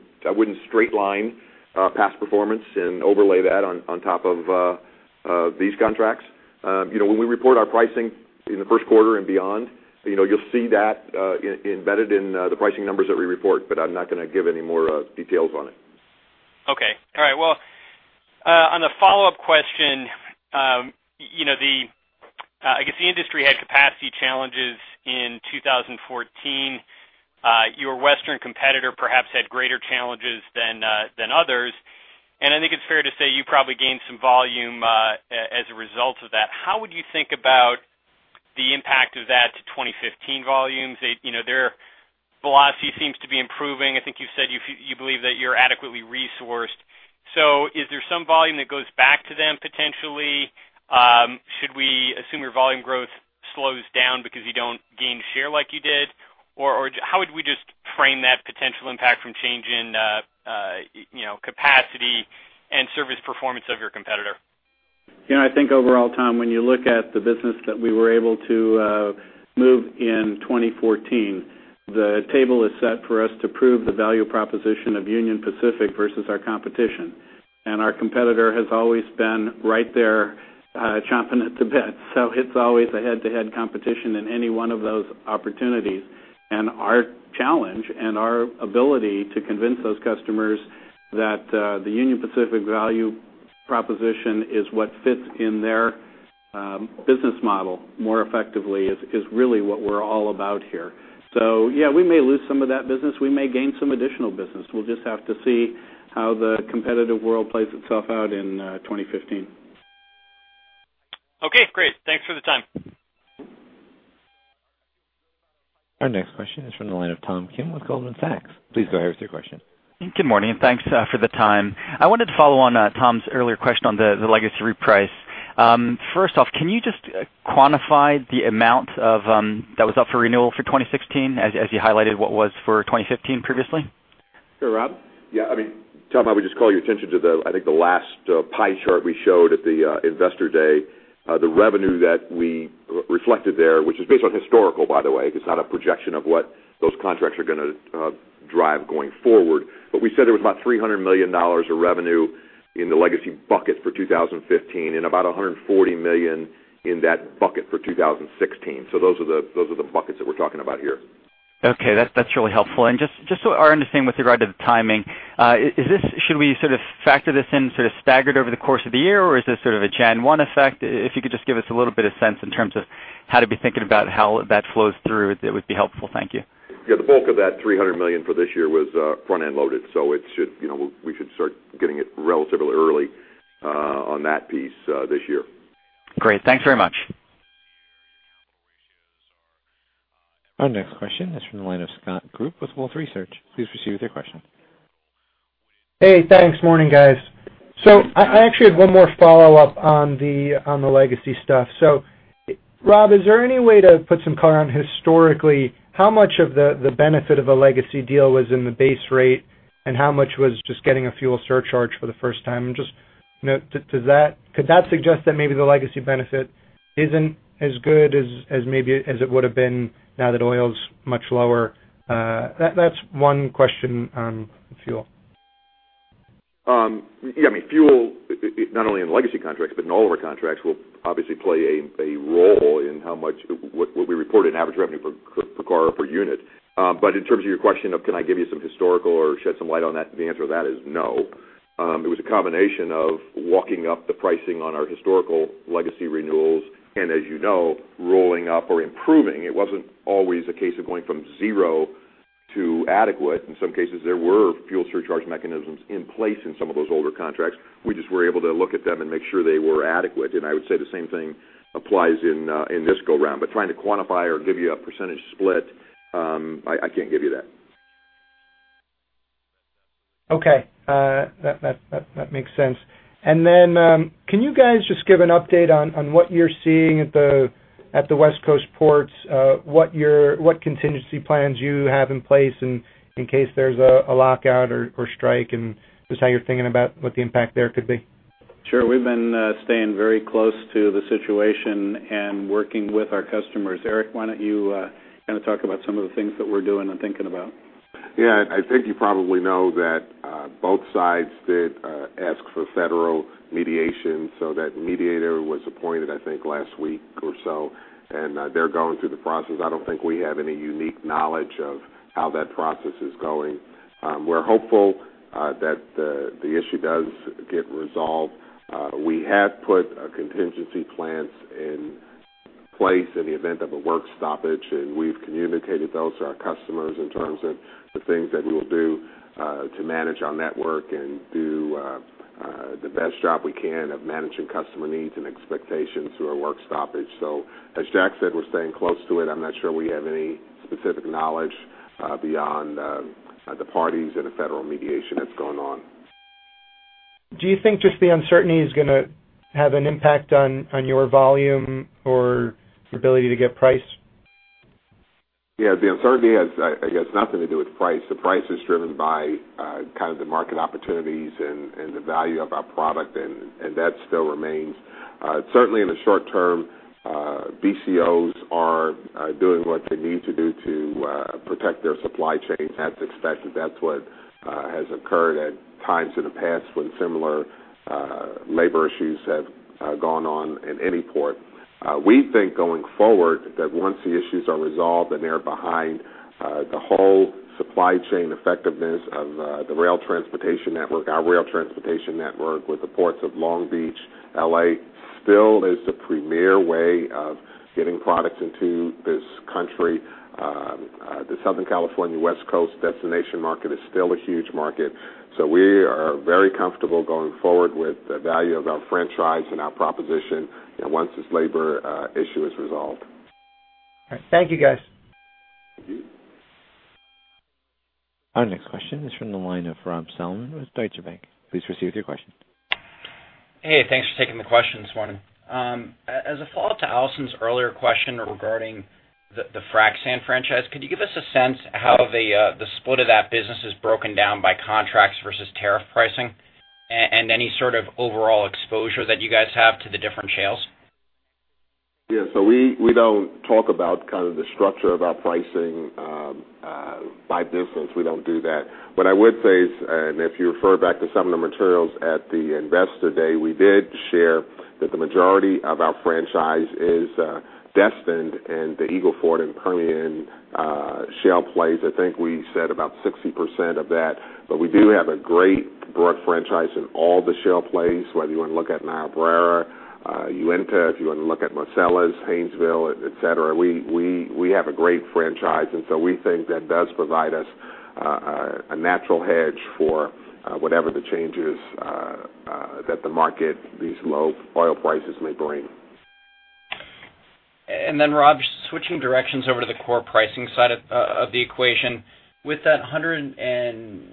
straight line past performance and overlay that on top of these contracts.... You know, when we report our pricing in the first quarter and beyond, you know, you'll see that, embedded in the pricing numbers that we report, but I'm not gonna give any more details on it. Okay. All right. Well, on the follow-up question, you know, the, I guess, the industry had capacity challenges in 2014. Your Western competitor perhaps had greater challenges than others, and I think it's fair to say you probably gained some volume as a result of that. How would you think about the impact of that to 2015 volumes? They, you know, their velocity seems to be improving. I think you said you believe that you're adequately resourced. So is there some volume that goes back to them potentially? Should we assume your volume growth slows down because you don't gain share like you did? Or, how would we just frame that potential impact from change in, you know, capacity and service performance of your competitor? You know, I think overall, Tom, when you look at the business that we were able to move in 2014, the table is set for us to prove the value proposition of Union Pacific versus our competition. And our competitor has always been right there, chomping at the bit, so it's always a head-to-head competition in any one of those opportunities. And our challenge and our ability to convince those customers that the Union Pacific value proposition is what fits in their business model more effectively is really what we're all about here. So yeah, we may lose some of that business, we may gain some additional business. We'll just have to see how the competitive world plays itself out in 2015. Okay, great. Thanks for the time. Our next question is from the line of Tom Kim with Goldman Sachs. Please go ahead with your question. Good morning, and thanks for the time. I wanted to follow on Tom's earlier question on the, the legacy reprice. First off, can you just quantify the amount of that was up for renewal for 2016, as, as you highlighted what was for 2015 previously? Sure, Rob? Yeah, I mean, Tom, I would just call your attention to the, I think, the last pie chart we showed at the Investor Day. The revenue that we reflected there, which is based on historical, by the way, it's not a projection of what those contracts are gonna drive going forward. But we said there was about $300 million of revenue in the legacy bucket for 2015, and about $140 million in that bucket for 2016. So those are the, those are the buckets that we're talking about here. Okay, that's, that's really helpful. And just, just so our understanding with regard to the timing, is this—should we sort of factor this in, sort of, staggered over the course of the year, or is this sort of a Jan one effect? If you could just give us a little bit of sense in terms of how to be thinking about how that flows through, that would be helpful. Thank you. Yeah, the bulk of that $300 million for this year was front-end loaded, so it should, you know, we should start getting it relatively early on that piece this year. Great. Thanks very much. Our next question is from the line of Scott Group with Wolfe Research. Please proceed with your question. Hey, thanks. Morning, guys. So I actually had one more follow-up on the legacy stuff. So Rob, is there any way to put some color on historically how much of the benefit of a legacy deal was in the base rate, and how much was just getting a fuel surcharge for the first time? And just, you know, could that suggest that maybe the legacy benefit isn't as good as maybe as it would've been now that oil's much lower? That's one question on fuel. Yeah, I mean, fuel, not only in legacy contracts, but in all of our contracts, will obviously play a role in how much, what we report in average revenue per car or per unit. But in terms of your question of, can I give you some historical or shed some light on that? The answer to that is no. It was a combination of walking up the pricing on our historical legacy renewals, and as you know, rolling up or improving. It wasn't always a case of going from zero to adequate. In some cases, there were fuel surcharge mechanisms in place in some of those older contracts. We just were able to look at them and make sure they were adequate, and I would say the same thing applies in this go-round. But trying to quantify or give you a percentage split, I can't give you that. Okay. That makes sense. And then, can you guys just give an update on what you're seeing at the West Coast ports? What contingency plans you have in place in case there's a lockout or strike, and just how you're thinking about what the impact there could be? Sure. We've been staying very close to the situation and working with our customers. Eric, why don't you kind of talk about some of the things that we're doing and thinking about? Yeah, I think you probably know that, both sides did ask for federal mediation, so that mediator was appointed, I think, last week or so, and, they're going through the process. I don't think we have any unique knowledge of how that process is going. We're hopeful that the issue does get resolved. We have put a contingency plans in place in the event of a work stoppage, and we've communicated those to our customers in terms of the things that we will do to manage our network and do the best job we can of managing customer needs and expectations through a work stoppage. So as Jack said, we're staying close to it. I'm not sure we have any specific knowledge beyond the parties and the federal mediation that's going on. Do you think just the uncertainty is gonna have an impact on your volume or ability to get priced? Yeah, the uncertainty has, has nothing to do with price. The price is driven by, kind of the market opportunities and, and the value of our product, and, and that still remains. Certainly, in the short term, ...BCOs are doing what they need to do to protect their supply chain. That's expected. That's what has occurred at times in the past when similar labor issues have gone on in any port. We think going forward, that once the issues are resolved and they're behind the whole supply chain effectiveness of the rail transportation network, our rail transportation network, with the ports of Long Beach, LA, still is the premier way of getting products into this country. The Southern California, West Coast destination market is still a huge market, so we are very comfortable going forward with the value of our franchise and our proposition, you know, once this labor issue is resolved. All right. Thank you, guys. Our next question is from the line of Rob Salmon with Deutsche Bank. Please proceed with your question. Hey, thanks for taking the question this morning. As a follow-up to Allison's earlier question regarding the frac sand franchise, could you give us a sense how the split of that business is broken down by contracts versus tariff pricing, and any sort of overall exposure that you guys have to the different shales? Yeah. So we don't talk about kind of the structure of our pricing by business. We don't do that. What I would say is, and if you refer back to some of the materials at the Investor Day, we did share that the majority of our franchise is destined in the Eagle Ford and Permian shale plays. I think we said about 60% of that. But we do have a great broad franchise in all the shale plays, whether you wanna look at Niobrara, Uinta, if you wanna look at Marcellus, Haynesville, et cetera. We have a great franchise, and so we think that does provide us a natural hedge for whatever the changes that the market, these low oil prices may bring. And then, Rob, switching directions over to the core pricing side of of the equation. With that 100 and,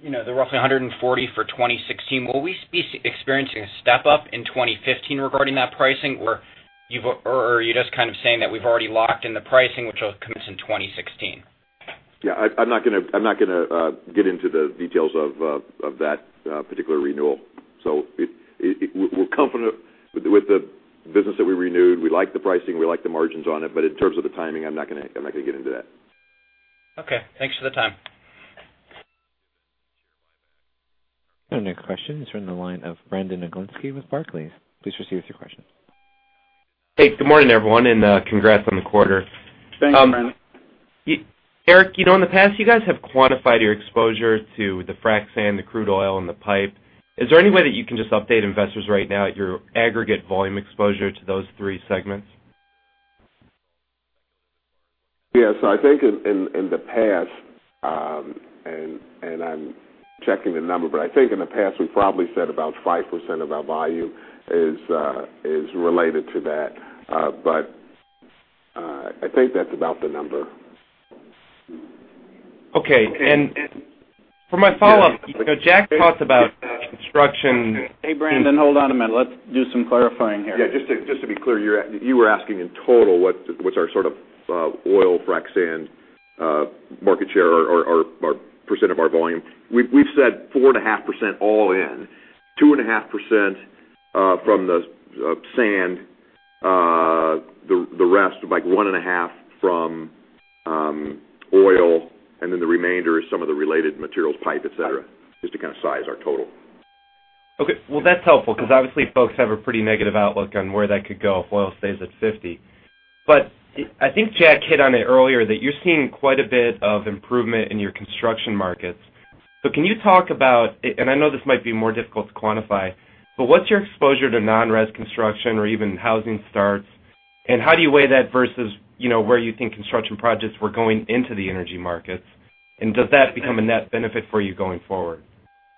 you know, the roughly 140 for 2016, will we be experiencing a step-up in 2015 regarding that pricing? Or you've or, or are you just kind of saying that we've already locked in the pricing, which will commence in 2016? Yeah, I'm not gonna get into the details of that particular renewal. So, we're confident with the business that we renewed. We like the pricing, we like the margins on it, but in terms of the timing, I'm not gonna get into that. Okay, thanks for the time. Our next question is from the line of Brandon Oglenski with Barclays. Please proceed with your question. Hey, good morning, everyone, and congrats on the quarter. Thanks, Brandon. Eric, you know, in the past, you guys have quantified your exposure to the Frac Sand, the crude oil and the pipe. Is there any way that you can just update investors right now, your aggregate volume exposure to those three segments? Yeah, so I think in the past, and I'm checking the number, but I think in the past, we've probably said about 5% of our volume is related to that. But I think that's about the number. Okay. And for my follow-up- Yeah. Jack talked about construction. Hey, Brandon, hold on a minute. Let's do some clarifying here. Yeah, just to, just to be clear, you were asking in total, what, what's our sort of oil frac sand market share or, or, or our percent of our volume? We've, we've said 4.5% all in. 2.5% from the sand, the rest, like 1.5 from oil, and then the remainder is some of the related materials, pipe, et cetera, just to kind of size our total. Okay. Well, that's helpful because obviously folks have a pretty negative outlook on where that could go if oil stays at $50. But I think Jack hit on it earlier, that you're seeing quite a bit of improvement in your construction markets. So can you talk about—and I know this might be more difficult to quantify, but what's your exposure to non-res construction or even housing starts? And how do you weigh that versus, you know, where you think construction projects were going into the energy markets? And does that become a net benefit for you going forward?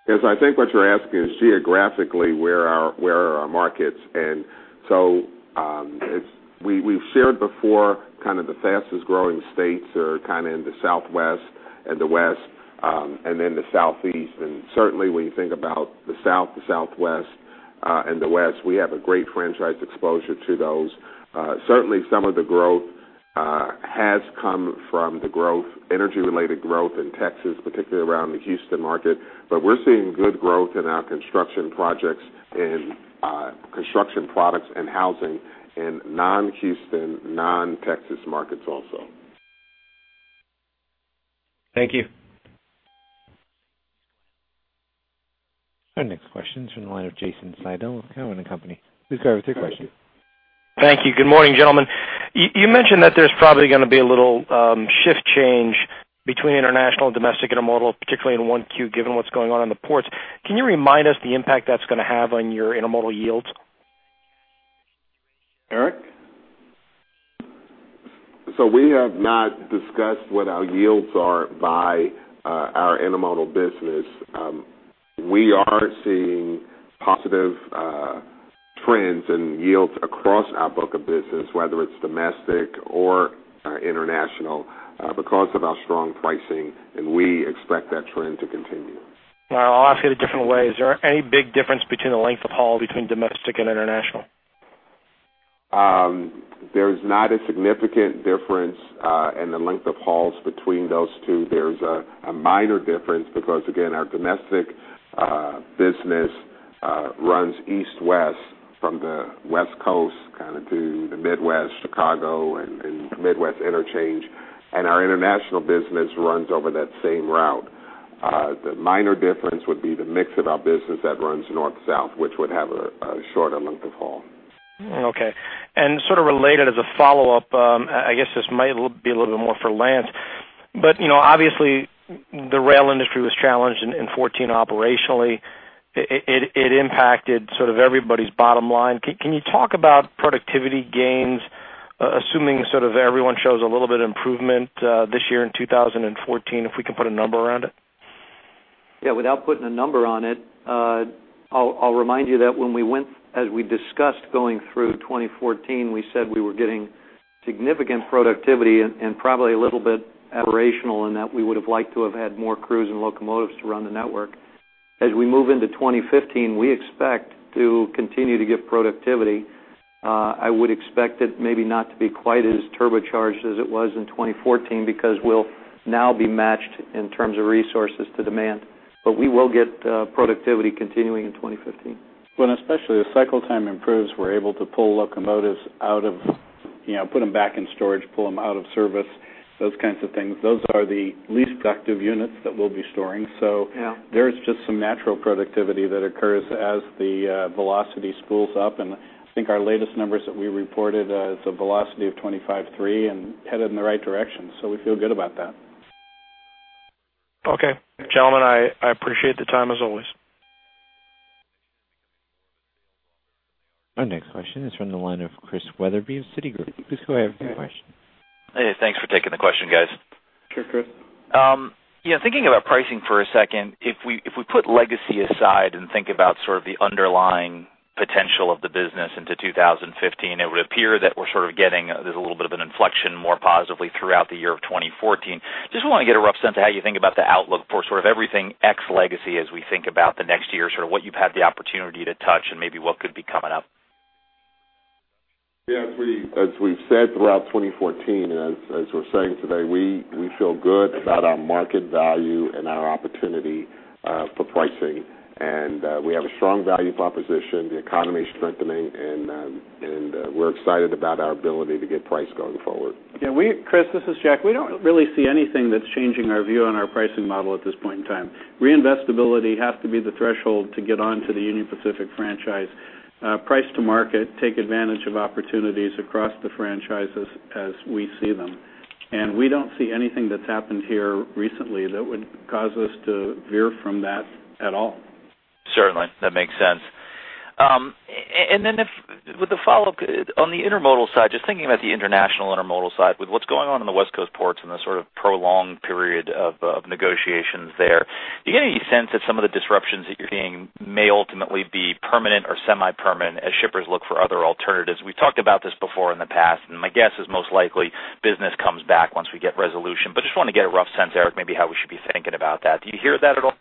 Yes, I think what you're asking is geographically, where are our, where are our markets? And so, it's we, we've shared before, kind of the fastest growing states are kind of in the Southwest and the West, and then the Southeast. And certainly, when you think about the South, the Southwest, and the West, we have a great franchise exposure to those. Certainly, some of the growth has come from the growth, energy-related growth in Texas, particularly around the Houston market. But we're seeing good growth in our construction projects in, construction products and housing in non-Houston, non-Texas markets also. Thank you. Our next question is from the line of Jason Seidl with Cowen and Company. Please go ahead with your question. Thank you. Good morning, gentlemen. You mentioned that there's probably gonna be a little shift change between international and domestic intermodal, particularly in 1Q, given what's going on in the ports. Can you remind us the impact that's gonna have on your intermodal yields? Eric? So we have not discussed what our yields are by our intermodal business. We are seeing positive trends in yields across our book of business, whether it's domestic or international, because of our strong pricing, and we expect that trend to continue. Well, I'll ask it a different way: Is there any big difference between the length of haul between domestic and international? There's not a significant difference in the length of hauls between those two. There's a minor difference, because, again, our domestic business runs east-west from the West Coast kind of to the Midwest, Chicago, and Midwest interchange, and our international business runs over that same route. The minor difference would be the mix of our business that runs north-south, which would have a shorter length of haul. Okay. And sort of related as a follow-up, I guess this might be a little bit more for Lance. But, you know, obviously, the rail industry was challenged in 2014 operationally. It impacted sort of everybody's bottom line. Can you talk about productivity gains, assuming sort of everyone shows a little bit of improvement this year in 2014, if we can put a number around it? Yeah, without putting a number on it, I'll remind you that when we went, as we discussed, going through 2014, we said we were getting significant productivity and probably a little bit aberrational in that we would have liked to have had more crews and locomotives to run the network. As we move into 2015, we expect to continue to get productivity. I would expect it maybe not to be quite as turbocharged as it was in 2014 because we'll now be matched in terms of resources to demand. But we will get productivity continuing in 2015. When especially the cycle time improves, we're able to pull locomotives out of, you know, put them back in storage, pull them out of service, those kinds of things. Those are the least productive units that we'll be storing. Yeah. There is just some natural productivity that occurs as the velocity spools up. I think our latest numbers that we reported as a velocity of 25.3 and headed in the right direction, so we feel good about that. Okay. Gentlemen, I appreciate the time as always. Our next question is from the line of Chris Wetherbee of Citigroup. Please go ahead with your question. Hey, thanks for taking the question, guys. Sure, Chris. Yeah, thinking about pricing for a second, if we put legacy aside and think about sort of the underlying potential of the business into 2015, it would appear that we're sort of getting, there's a little bit of an inflection more positively throughout the year of 2014. Just want to get a rough sense of how you think about the outlook for sort of everything ex legacy as we think about the next year, sort of what you've had the opportunity to touch and maybe what could be coming up. Yeah, as we've said throughout 2014, and as we're saying today, we feel good about our market value and our opportunity for pricing. And we have a strong value proposition, the economy is strengthening, and we're excited about our ability to get price going forward. Yeah, we... Chris, this is Jack. We don't really see anything that's changing our view on our pricing model at this point in time. Reinvestability has to be the threshold to get onto the Union Pacific franchise, price to market, take advantage of opportunities across the franchises as we see them. And we don't see anything that's happened here recently that would cause us to veer from that at all. Certainly. That makes sense. And then if, with the follow-up, on the intermodal side, just thinking about the international intermodal side, with what's going on in the West Coast ports and the sort of prolonged period of negotiations there, do you get any sense that some of the disruptions that you're seeing may ultimately be permanent or semi-permanent as shippers look for other alternatives? We've talked about this before in the past, and my guess is most likely, business comes back once we get resolution. But just want to get a rough sense, Eric, maybe how we should be thinking about that. Do you hear that at all?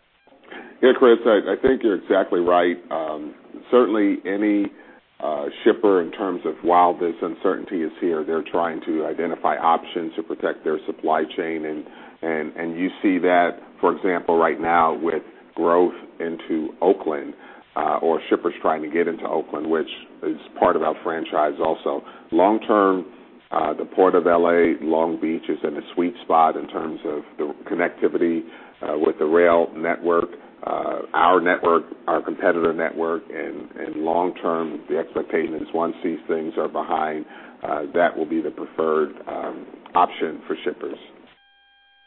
Yeah, Chris, I think you're exactly right. Certainly, any shipper, in terms of while this uncertainty is here, they're trying to identify options to protect their supply chain, and you see that, for example, right now with growth into Oakland, or shippers trying to get into Oakland, which is part of our franchise also. Long term, the Port of LA, Long Beach, is in a sweet spot in terms of the connectivity with the rail network, our network, our competitor network. Long term, the expectation is once these things are behind, that will be the preferred option for shippers.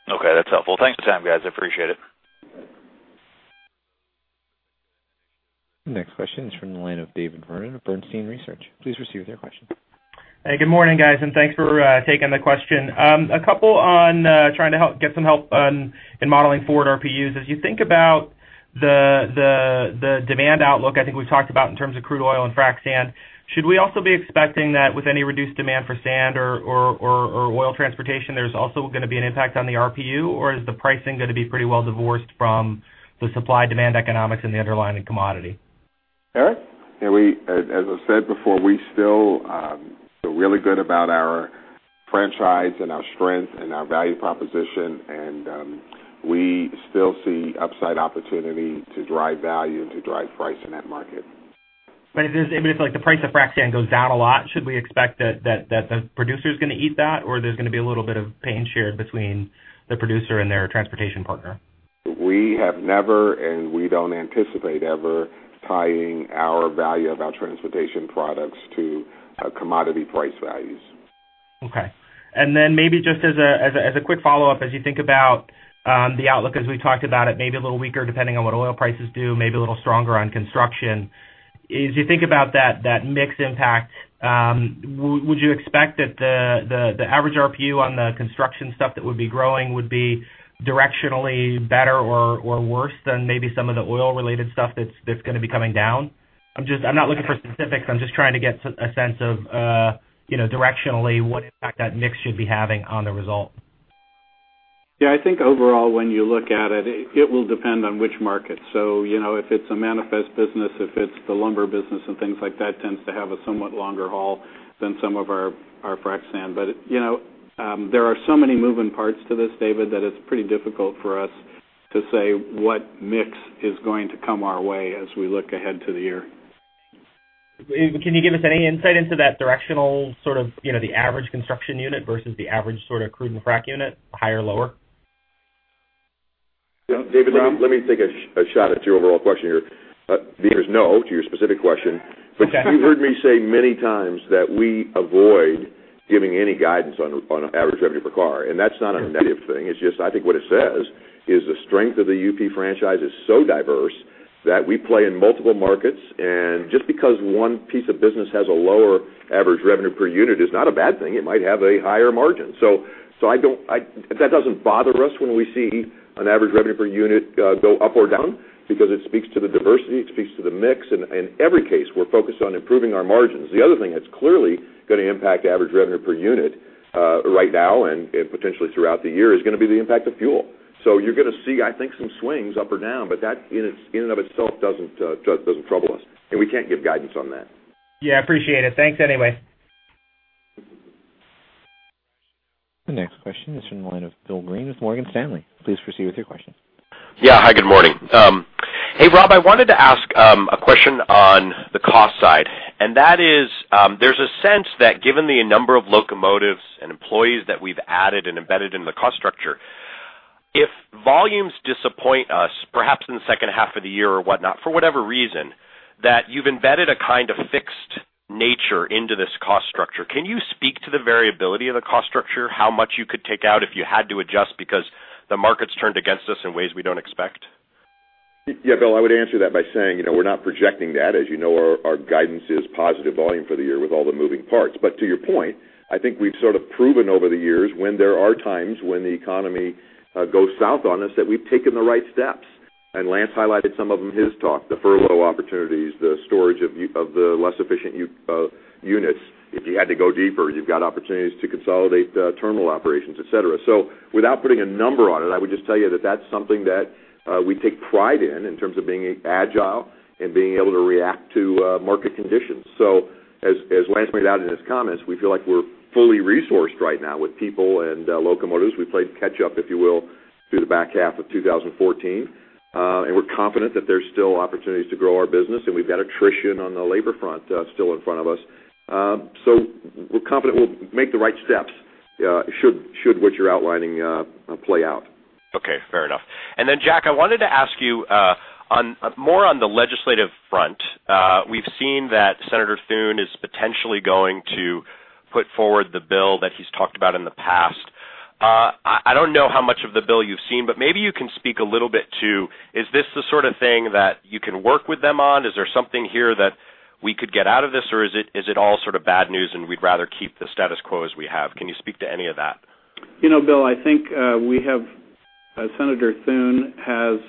Okay, that's helpful. Thanks for the time, guys. I appreciate it. Next question is from the line of David Vernon of Bernstein Research. Please proceed with your question. Hey, good morning, guys, and thanks for taking the question. A couple on trying to get some help on modeling forward RPUs. As you think about the demand outlook, I think we've talked about in terms of crude oil and frac sand, should we also be expecting that with any reduced demand for sand or oil transportation, there's also going to be an impact on the RPU? Or is the pricing going to be pretty well divorced from the supply-demand economics and the underlying commodity? Eric? Yeah, as, as I said before, we still feel really good about our franchise and our strength and our value proposition, and we still see upside opportunity to drive value and to drive price in that market. But if like, the price of Frac Sand goes down a lot, should we expect that the producer is going to eat that, or there's going to be a little bit of pain shared between the producer and their transportation partner? We have never, and we don't anticipate ever, tying our value of our transportation products to commodity price values. Okay. And then maybe just as a quick follow-up, as you think about the outlook, as we talked about it, maybe a little weaker, depending on what oil prices do, maybe a little stronger on construction. As you think about that mix impact, would you expect that the average RPU on the construction stuff that would be growing would be directionally better or worse than maybe some of the oil-related stuff that's going to be coming down? I'm just—I'm not looking for specifics. I'm just trying to get a sense of, you know, directionally, what impact that mix should be having on the result. Yeah, I think overall, when you look at it, it will depend on which market. So you know, if it's a manifest business, if it's the lumber business and things like that, tends to have a somewhat longer haul than some of our frac sand. But, you know, there are so many moving parts to this, David, that it's pretty difficult for us to say what mix is going to come our way as we look ahead to the year... Can you give us any insight into that directional sort of, you know, the average construction unit versus the average sort of crude and frac unit, higher or lower? Yeah, David, let me take a shot at your overall question here. The answer is no to your specific question. Okay. But you've heard me say many times that we avoid giving any guidance on average revenue per car, and that's not a negative thing. It's just I think what it says is the strength of the UP franchise is so diverse that we play in multiple markets, and just because one piece of business has a lower average revenue per unit is not a bad thing. It might have a higher margin. So I don't. That doesn't bother us when we see an average revenue per unit go up or down because it speaks to the diversity, it speaks to the mix. And in every case, we're focused on improving our margins. The other thing that's clearly gonna impact average revenue per unit right now and potentially throughout the year is gonna be the impact of fuel. So you're gonna see, I think, some swings up or down, but that, in and of itself, doesn't trouble us, and we can't give guidance on that. Yeah, I appreciate it. Thanks anyway. The next question is from the line of Bill Greene with Morgan Stanley. Please proceed with your question. Yeah. Hi, good morning. Hey, Rob, I wanted to ask a question on the cost side, and that is, there's a sense that given the number of locomotives and employees that we've added and embedded in the cost structure, if volumes disappoint us, perhaps in the second half of the year or whatnot, for whatever reason, that you've embedded a kind of fixed nature into this cost structure. Can you speak to the variability of the cost structure? How much you could take out if you had to adjust because the market's turned against us in ways we don't expect? Yeah, Bill, I would answer that by saying, you know, we're not projecting that. As you know, our guidance is positive volume for the year with all the moving parts. But to your point, I think we've sort of proven over the years when there are times when the economy goes south on us, that we've taken the right steps. And Lance highlighted some of them in his talk, the furlough opportunities, the storage of the less efficient units. If you had to go deeper, you've got opportunities to consolidate terminal operations, et cetera. So without putting a number on it, I would just tell you that that's something that we take pride in, in terms of being agile and being able to react to market conditions. So as Lance pointed out in his comments, we feel like we're fully resourced right now with people and locomotives. We played catch up, if you will, through the back half of 2014. And we're confident that there's still opportunities to grow our business, and we've got attrition on the labor front still in front of us. So we're confident we'll make the right steps should what you're outlining play out. Okay, fair enough. And then, Jack, I wanted to ask you on more on the legislative front. We've seen that Senator Thune is potentially going to put forward the bill that he's talked about in the past. I don't know how much of the bill you've seen, but maybe you can speak a little bit to, is this the sort of thing that you can work with them on? Is there something here that we could get out of this, or is it all sort of bad news, and we'd rather keep the status quo as we have? Can you speak to any of that? You know, Bill, I think, we have, as Senator Thune has,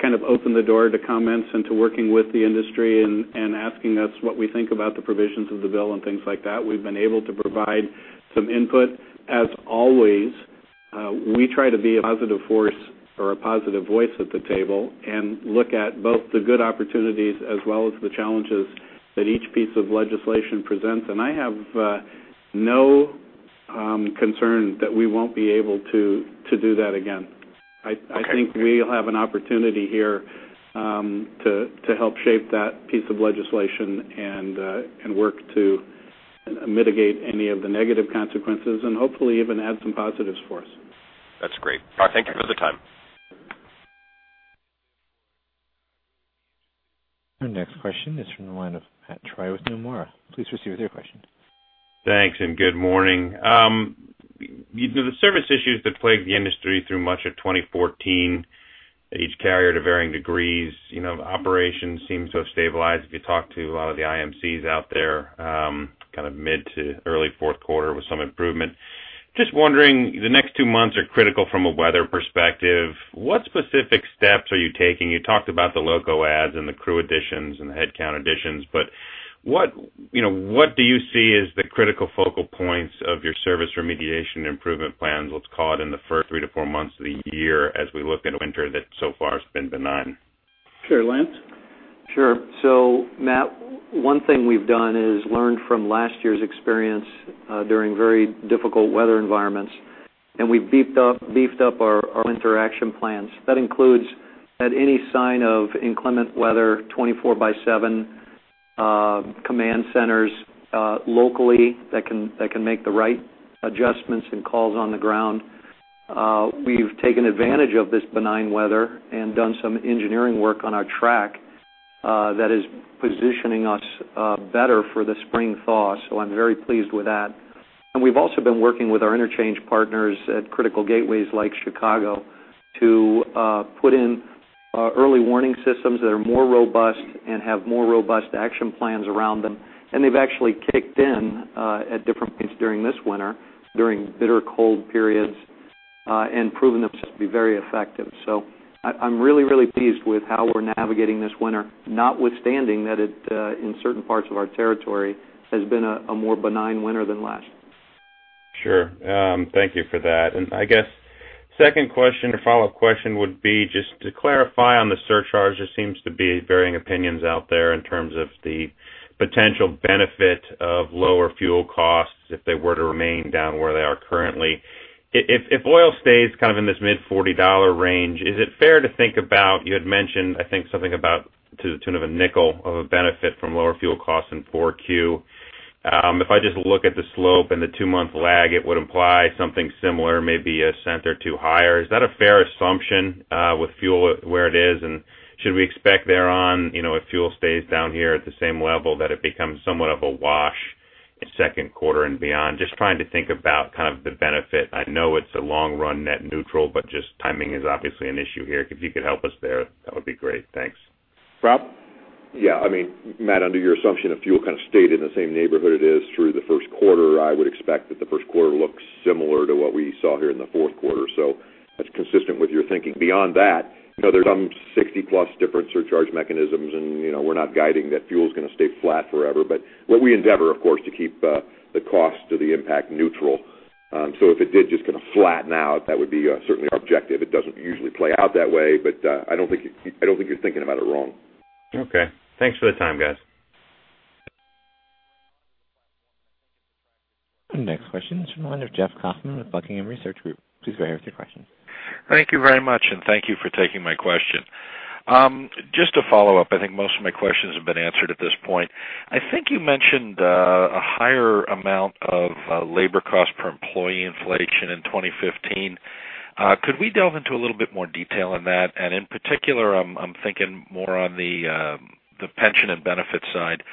kind of opened the door to comments and to working with the industry and asking us what we think about the provisions of the bill and things like that, we've been able to provide some input. As always, we try to be a positive force or a positive voice at the table and look at both the good opportunities as well as the challenges that each piece of legislation presents. I have no concern that we won't be able to do that again. Okay. I think we'll have an opportunity here, to help shape that piece of legislation and work to mitigate any of the negative consequences and hopefully even add some positives for us. That's great. Thank you for the time. Our next question is from the line of Matt Troy with Nomura. Please proceed with your question. Thanks, and good morning. The service issues that plagued the industry through much of 2014, each carrier to varying degrees, you know, operations seem so stabilized. If you talk to a lot of the IMCs out there, kind of mid to early fourth quarter with some improvement. Just wondering, the next two months are critical from a weather perspective, what specific steps are you taking? You talked about the loco adds and the crew additions and the headcount additions, but what, you know, what do you see as the critical focal points of your service remediation improvement plans, let's call it, in the first three to four months of the year, as we look at a winter that so far has been benign? Sure, Lance? Sure. So Matt, one thing we've done is learned from last year's experience during very difficult weather environments, and we've beefed up our winter action plans. That includes, at any sign of inclement weather, 24/7 command centers locally that can make the right adjustments and calls on the ground. We've taken advantage of this benign weather and done some engineering work on our track that is positioning us better for the spring thaw. So I'm very pleased with that. And we've also been working with our interchange partners at critical gateways like Chicago to put in early warning systems that are more robust and have more robust action plans around them. And they've actually kicked in at different points during this winter, during bitter cold periods, and proven themselves to be very effective. So I'm really, really pleased with how we're navigating this winter, notwithstanding that it, in certain parts of our territory, has been a more benign winter than last. Sure. Thank you for that. And I guess, second question or follow-up question would be, just to clarify on the surcharge, there seems to be varying opinions out there in terms of the potential benefit of lower fuel costs if they were to remain down where they are currently. If oil stays kind of in this mid-$40 range, is it fair to think about, you had mentioned, I think, something about to the tune of $0.05 of a benefit from lower fuel costs in 4Q. If I just look at the slope and the 2-month lag, it would imply something similar, maybe $0.01 or two higher. Is that a fair assumption, with fuel where it is, and should we expect thereon, you know, if fuel stays down here at the same level, that it becomes somewhat of a wash in second quarter and beyond? Just trying to think about kind of the benefit. I know it's a long run net neutral, but just timing is obviously an issue here. If you could help us there, that would be great. Thanks. Rob? Yeah, I mean, Matt, under your assumption of fuel kind of stayed in the same neighborhood it is through the first quarter, I would expect that the first quarter looks similar to what we saw here in the fourth quarter. So that's consistent with your thinking. Beyond that, you know, there's some 60+ different surcharge mechanisms, and, you know, we're not guiding that fuel is gonna stay flat forever. But what we endeavor, of course, to keep the cost to the impact neutral. So if it did just kind of flatten out, that would be certainly our objective. It doesn't usually play out that way, but, I don't think you, I don't think you're thinking about it wrong. Okay. Thanks for the time, guys. Our next question is from the line of Jeff Kauffman with Buckingham Research Group. Please go ahead with your question. Thank you very much, and thank you for taking my question. Just to follow up, I think most of my questions have been answered at this point. I think you mentioned a higher amount of labor cost per employee inflation in 2015. Could we delve into a little bit more detail on that? And in particular, I'm thinking more on the pension and benefit side.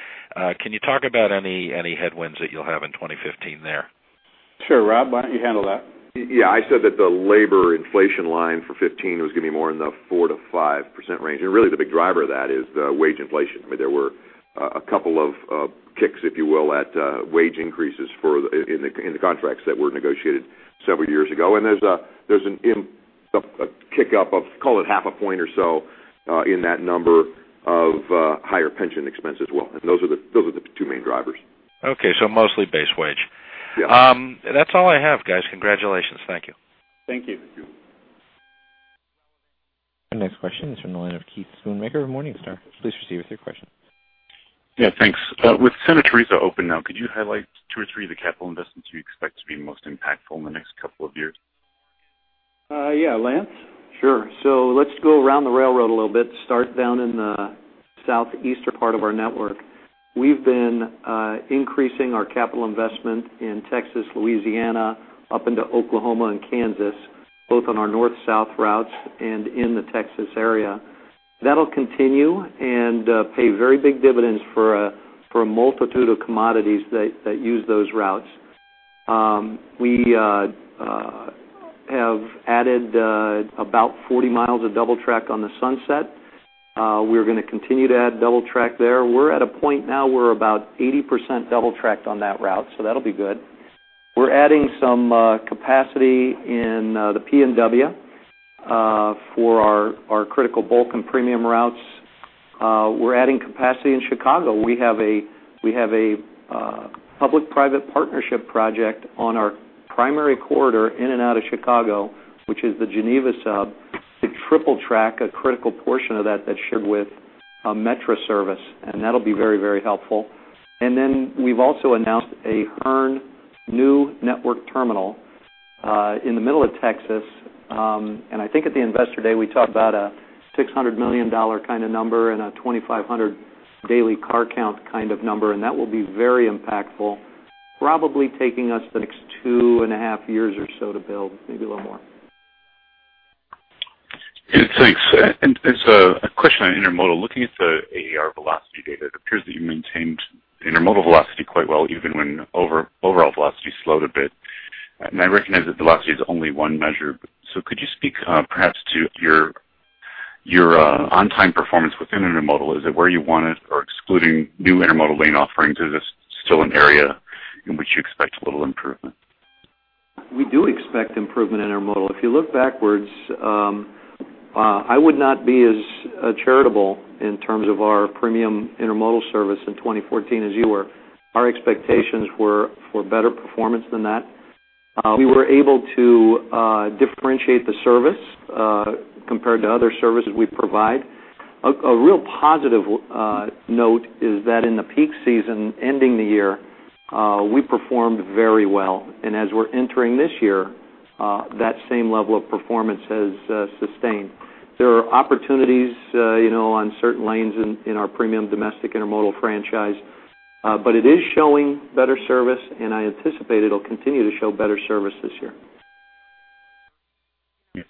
Can you talk about any headwinds that you'll have in 2015 there? Sure. Rob, why don't you handle that? Yeah, I said that the labor inflation line for 2015 was gonna be more in the 4%-5% range, and really, the big driver of that is the wage inflation. I mean, there were a couple of kicks, if you will, at wage increases in the contracts that were negotiated several years ago. And there's a kickup of, call it, half a point or so in that number of higher pension expense as well, and those are the two main drivers. Okay, so mostly base wage. Yeah. That's all I have, guys. Congratulations. Thank you. Thank you. Our next question is from the line of Keith Schoonmaker, Morningstar. Please proceed with your question. Yeah, thanks. With Santa Teresa open now, could you highlight two or three of the capital investments you expect to be most impactful in the next couple of years? Yeah, Lance? Sure. So let's go around the railroad a little bit, start down in the southeastern part of our network. We've been increasing our capital investment in Texas, Louisiana, up into Oklahoma and Kansas, both on our north-south routes and in the Texas area. That'll continue and pay very big dividends for a multitude of commodities that use those routes. We have added about 40 miles of double track on the Sunset. We're gonna continue to add double track there. We're at a point now where about 80% double tracked on that route, so that'll be good. We're adding some capacity in the PNW for our critical bulk and premium routes. We're adding capacity in Chicago. We have a public-private partnership project on our primary corridor in and out of Chicago, which is the Geneva Sub, to triple track a critical portion of that that's shared with a metro service, and that'll be very, very helpful. And then we've also announced a Hearne new network terminal in the middle of Texas. And I think at the Investor Day, we talked about a $600 million kind of number and a 2,500 daily car count kind of number, and that will be very impactful, probably taking us the next two and a half years or so to build, maybe a little more. Thanks. And so a question on intermodal. Looking at the AER velocity data, it appears that you maintained intermodal velocity quite well, even when overall velocity slowed a bit. And I recognize that velocity is only one measure, so could you speak, perhaps to your, your, on-time performance within intermodal? Is it where you want it, or excluding new intermodal lane offerings, is this still an area in which you expect a little improvement? We do expect improvement in intermodal. If you look backwards, I would not be as charitable in terms of our premium intermodal service in 2014 as you were. Our expectations were for better performance than that. We were able to differentiate the service compared to other services we provide. A real positive note is that in the peak season, ending the year, we performed very well. And as we're entering this year, that same level of performance has sustained. There are opportunities, you know, on certain lanes in our premium domestic intermodal franchise, but it is showing better service, and I anticipate it'll continue to show better service this year. Thanks.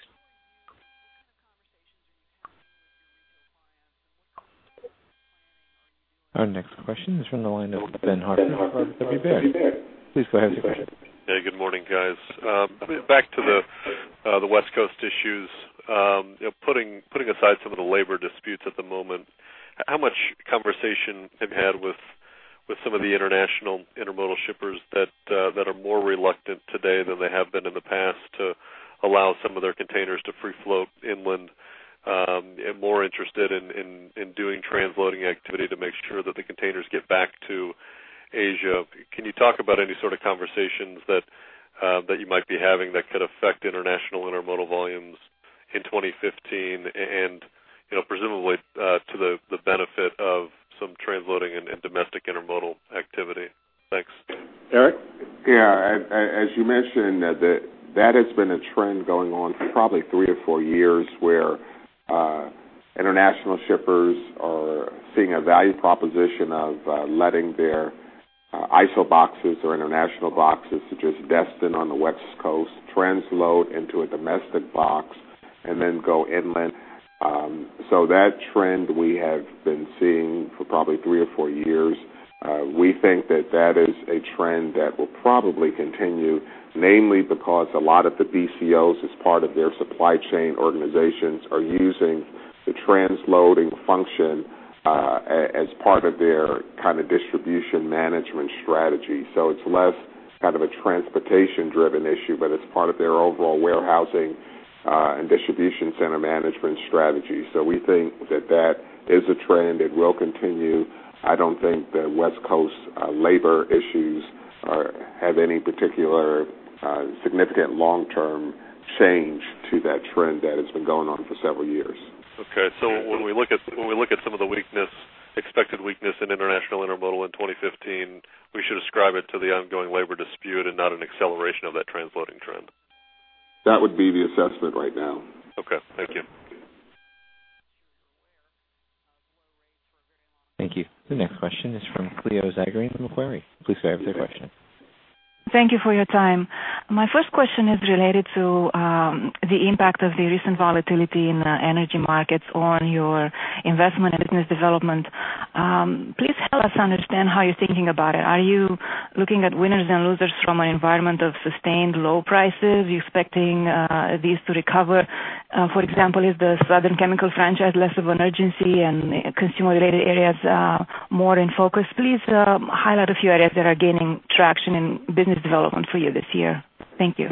Our next question is from the line of Ben Hartford with R.W. Baird. Please go ahead with your question. Hey, good morning, guys. Back to the West Coast issues. Putting aside some of the labor disputes at the moment, how much conversation have you had with some of the international intermodal shippers that are more reluctant today than they have been in the past to allow some of their containers to free float inland, and more interested in doing transloading activity to make sure that the containers get back to Asia? Can you talk about any sort of conversations that you might be having that could affect international intermodal volumes?... in 2015, and, you know, presumably, to the, the benefit of some transloading and, and domestic intermodal activity. Thanks. Eric? Yeah, as you mentioned, that has been a trend going on for probably 3-4 years, where international shippers are seeing a value proposition of letting their ISO boxes or international boxes, which is destined on the West Coast, transload into a domestic box and then go inland. So that trend we have been seeing for probably 3 or 4 years. We think that that is a trend that will probably continue, mainly because a lot of the BCOs, as part of their supply chain organizations, are using the transloading function as part of their kind of distribution management strategy. So it's less kind of a transportation-driven issue, but it's part of their overall warehousing and distribution center management strategy. So we think that that is a trend that will continue. I don't think the West Coast labor issues have any particular significant long-term change to that trend that has been going on for several years. Okay. So when we look at some of the expected weakness in international intermodal in 2015, we should ascribe it to the ongoing labor dispute and not an acceleration of that transloading trend? That would be the assessment right now. Okay. Thank you. Thank you. The next question is from Cleo Zagrean from Macquarie. Please go ahead with your question. Thank you for your time. My first question is related to the impact of the recent volatility in the energy markets on your investment and business development. Please help us understand how you're thinking about it. Are you looking at winners and losers from an environment of sustained low prices? Are you expecting these to recover? For example, is the southern chemical franchise less of an urgency and consumer-related areas more in focus? Please highlight a few areas that are gaining traction in business development for you this year. Thank you.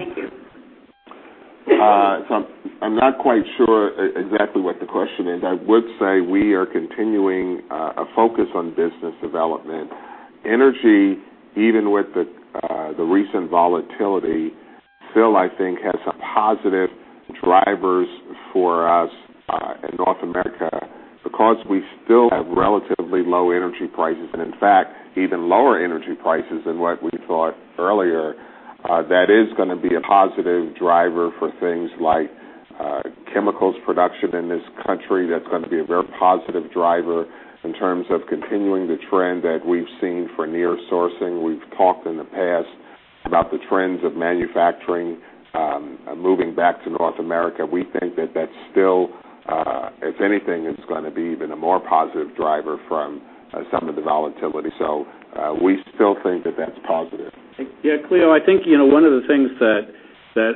So I'm not quite sure exactly what the question is. I would say we are continuing a focus on business development. Energy, even with the recent volatility, still, I think, has some positive drivers for us in North America. Because we still have relatively low energy prices and, in fact, even lower energy prices than what we thought earlier, that is gonna be a positive driver for things like chemicals production in this country. That's gonna be a very positive driver in terms of continuing the trend that we've seen for nearshoring. We've talked in the past about the trends of manufacturing moving back to North America. We think that that's still, if anything, it's gonna be even a more positive driver from some of the volatility. We still think that that's positive. Yeah, Cleo, I think, you know, one of the things that, that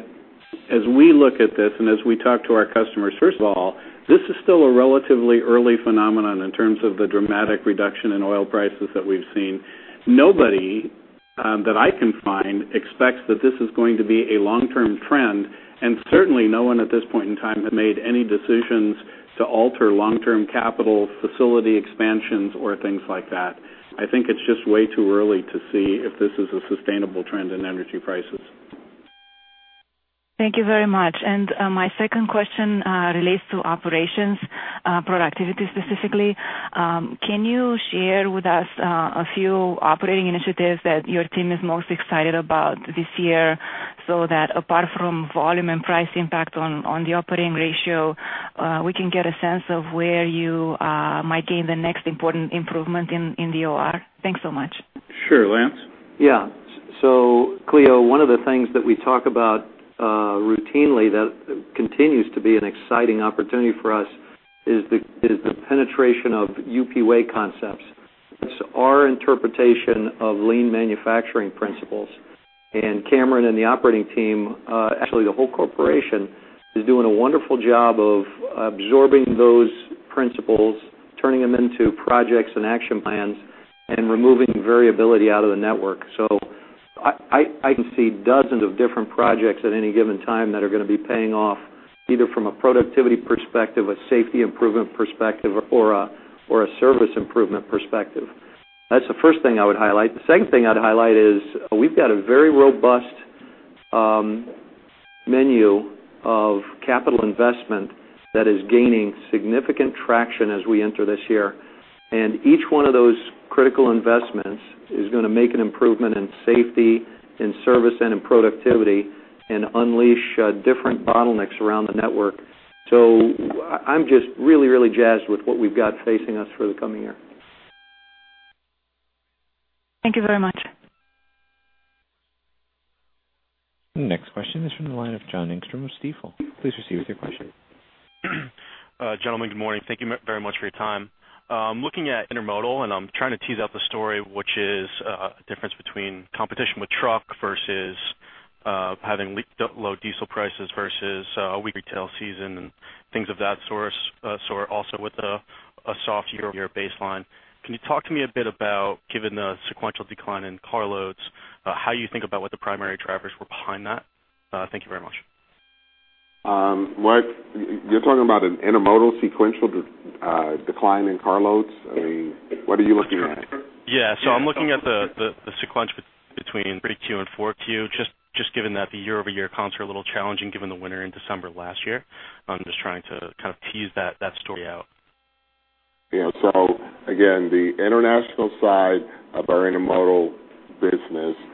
as we look at this and as we talk to our customers, first of all, this is still a relatively early phenomenon in terms of the dramatic reduction in oil prices that we've seen. Nobody, that I can find, expects that this is going to be a long-term trend, and certainly no one at this point in time have made any decisions to alter long-term capital facility expansions or things like that. I think it's just way too early to see if this is a sustainable trend in energy prices. Thank you very much. My second question relates to operations, productivity specifically. Can you share with us a few operating initiatives that your team is most excited about this year, so that apart from volume and price impact on the operating ratio, we can get a sense of where you might gain the next important improvement in the OR? Thanks so much. Sure. Lance? Yeah. So Cleo, one of the things that we talk about routinely, that continues to be an exciting opportunity for us is the penetration of UP Way concepts. It's our interpretation of lean manufacturing principles, and Cameron and the operating team, actually, the whole corporation, is doing a wonderful job of absorbing those principles, turning them into projects and action plans, and removing variability out of the network. So I can see dozens of different projects at any given time that are gonna be paying off, either from a productivity perspective, a safety improvement perspective, or a service improvement perspective. That's the first thing I would highlight. The second thing I'd highlight is, we've got a very robust menu of capital investment that is gaining significant traction as we enter this year. Each one of those critical investments is gonna make an improvement in safety, in service, and in productivity and unleash different bottlenecks around the network. So I'm just really, really jazzed with what we've got facing us for the coming year. Thank you very much. Next question is from the line of John Engstrom of Stifel. Please proceed with your question. Gentlemen, good morning. Thank you very much for your time. Looking at intermodal, and I'm trying to tease out the story, which is, difference between competition with truck versus, having low diesel prices versus, a weak retail season and things of that sort, also with a soft year-over-year baseline. Can you talk to me a bit about, given the sequential decline in car loads, how you think about what the primary drivers were behind that? Thank you very much. Mark, you're talking about an intermodal sequential decline in carloads? I mean, what are you looking at? Yeah. So I'm looking at the sequential between 3Q and 4Q, just given that the year-over-year comps are a little challenging, given the winter in December last year. I'm just trying to kind of tease that story out. Yeah. So again, the international side of our intermodal business, with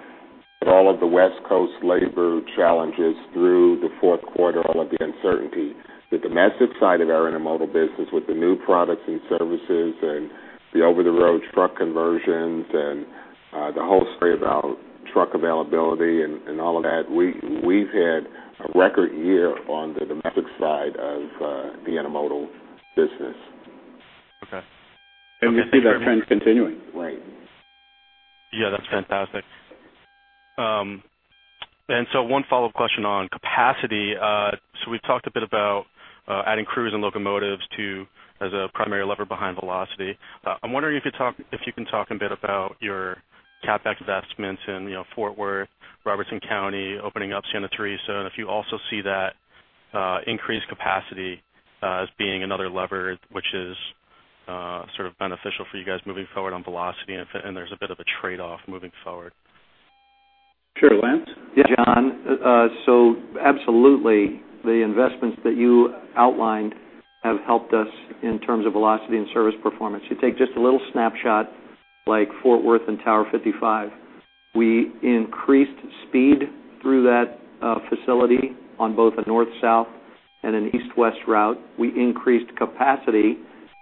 all of the West Coast labor challenges through the fourth quarter, all of the uncertainty, the domestic side of our intermodal business, with the new products and services and the over-the-road truck conversions and the whole story about truck availability and all of that, we've had a record year on the domestic side of the intermodal business. Okay. We see that trend continuing. Right. Yeah, that's fantastic. And so one follow-up question on capacity. So we've talked a bit about adding crews and locomotives to as a primary lever behind velocity. I'm wondering if you can talk a bit about your CapEx investments in, you know, Fort Worth, Robertson County, opening up Santa Teresa, and if you also see that increased capacity as being another lever, which is sort of beneficial for you guys moving forward on velocity, and if there's a bit of a trade-off moving forward. Sure. Lance? Yeah, John. So absolutely, the investments that you outlined have helped us in terms of velocity and service performance. You take just a little snapshot, like Fort Worth and Tower 55. We increased speed through that facility on both a north-south and an east-west route. We increased capacity,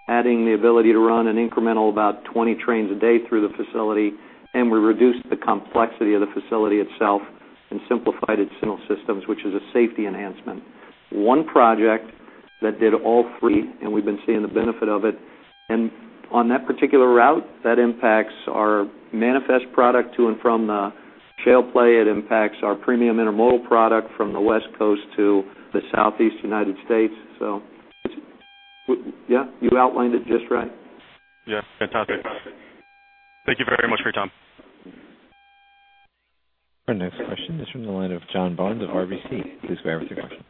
adding the ability to run an incremental about 20 trains a day through the facility, and we reduced the complexity of the facility itself and simplified its signal systems, which is a safety enhancement. One project that did all three, and we've been seeing the benefit of it. On that particular route, that impacts our manifest product to and from the shale play. It impacts our premium intermodal product from the West Coast to the Southeast United States. So yeah, you outlined it just right. Yeah, fantastic. Thank you very much for your time. Our next question is from the line of John Barnes of RBC. Please go ahead with your question.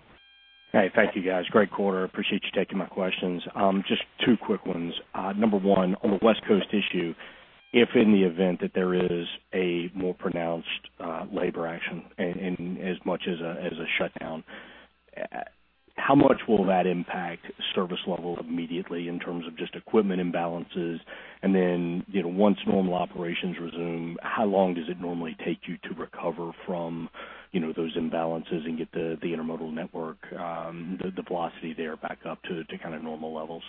Hey, thank you, guys. Great quarter. Appreciate you taking my questions. Just two quick ones. Number one, on the West Coast issue, if in the event that there is a more pronounced labor action and as much as a shutdown, how much will that impact service level immediately in terms of just equipment imbalances? And then, you know, once normal operations resume, how long does it normally take you to recover from, you know, those imbalances and get the intermodal network, the velocity there back up to kind of normal levels?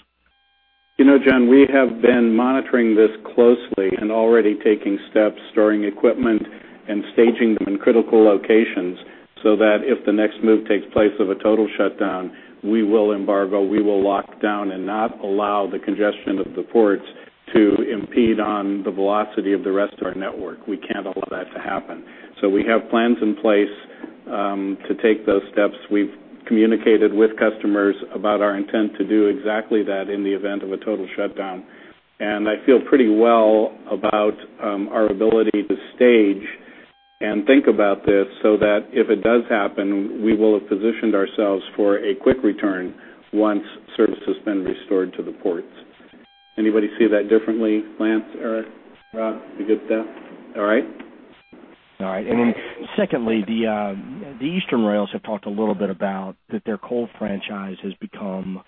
You know, John, we have been monitoring this closely and already taking steps, storing equipment and staging them in critical locations, so that if the next move takes place of a total shutdown, we will embargo, we will lock down and not allow the congestion of the ports to impede on the velocity of the rest of our network. We can't allow that to happen. So we have plans in place to take those steps. We've communicated with customers about our intent to do exactly that in the event of a total shutdown. And I feel pretty well about our ability to stage and think about this, so that if it does happen, we will have positioned ourselves for a quick return once service has been restored to the ports. Anybody see that differently? Lance, Eric, Rob, you good with that? All right. All right. And then secondly, the eastern rails have talked a little bit about that their coal franchise has become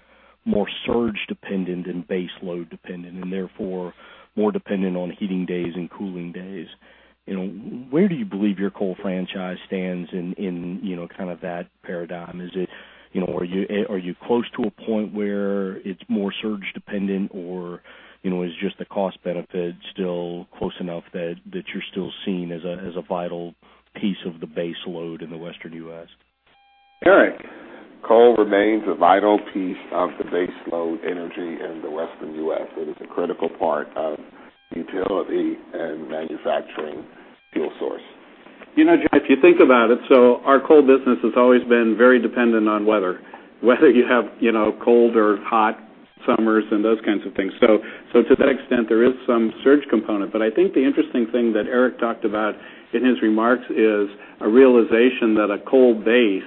more surge dependent and base load dependent, and therefore more dependent on heating days and cooling days. You know, where do you believe your coal franchise stands in, you know, kind of that paradigm? Is it, you know, are you close to a point where it's more surge dependent or, you know, is just the cost benefit still close enough that you're still seen as a vital piece of the base load in the Western U.S.? Eric, coal remains a vital piece of the base load energy in the Western U.S. It is a critical part of utility and manufacturing fuel source. You know, John, if you think about it, so our coal business has always been very dependent on weather. Whether you have, you know, cold or hot summers and those kinds of things. So, so to that extent, there is some surge component. But I think the interesting thing that Eric talked about in his remarks is a realization that a coal base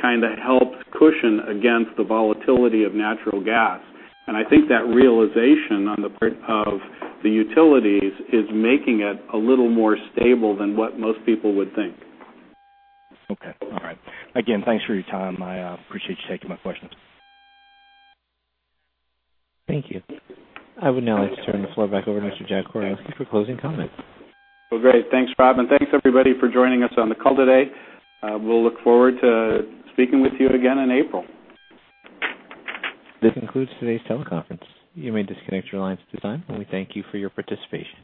kind of helps cushion against the volatility of natural gas. And I think that realization on the part of the utilities is making it a little more stable than what most people would think. Okay. All right. Again, thanks for your time. I appreciate you taking my questions. Thank you. I would now like to turn the floor back over to Mr. Jack Koraleski for closing comments. Well, great. Thanks, Rob, and thanks, everybody, for joining us on the call today. We'll look forward to speaking with you again in April. This concludes today's teleconference. You may disconnect your lines at this time, and we thank you for your participation.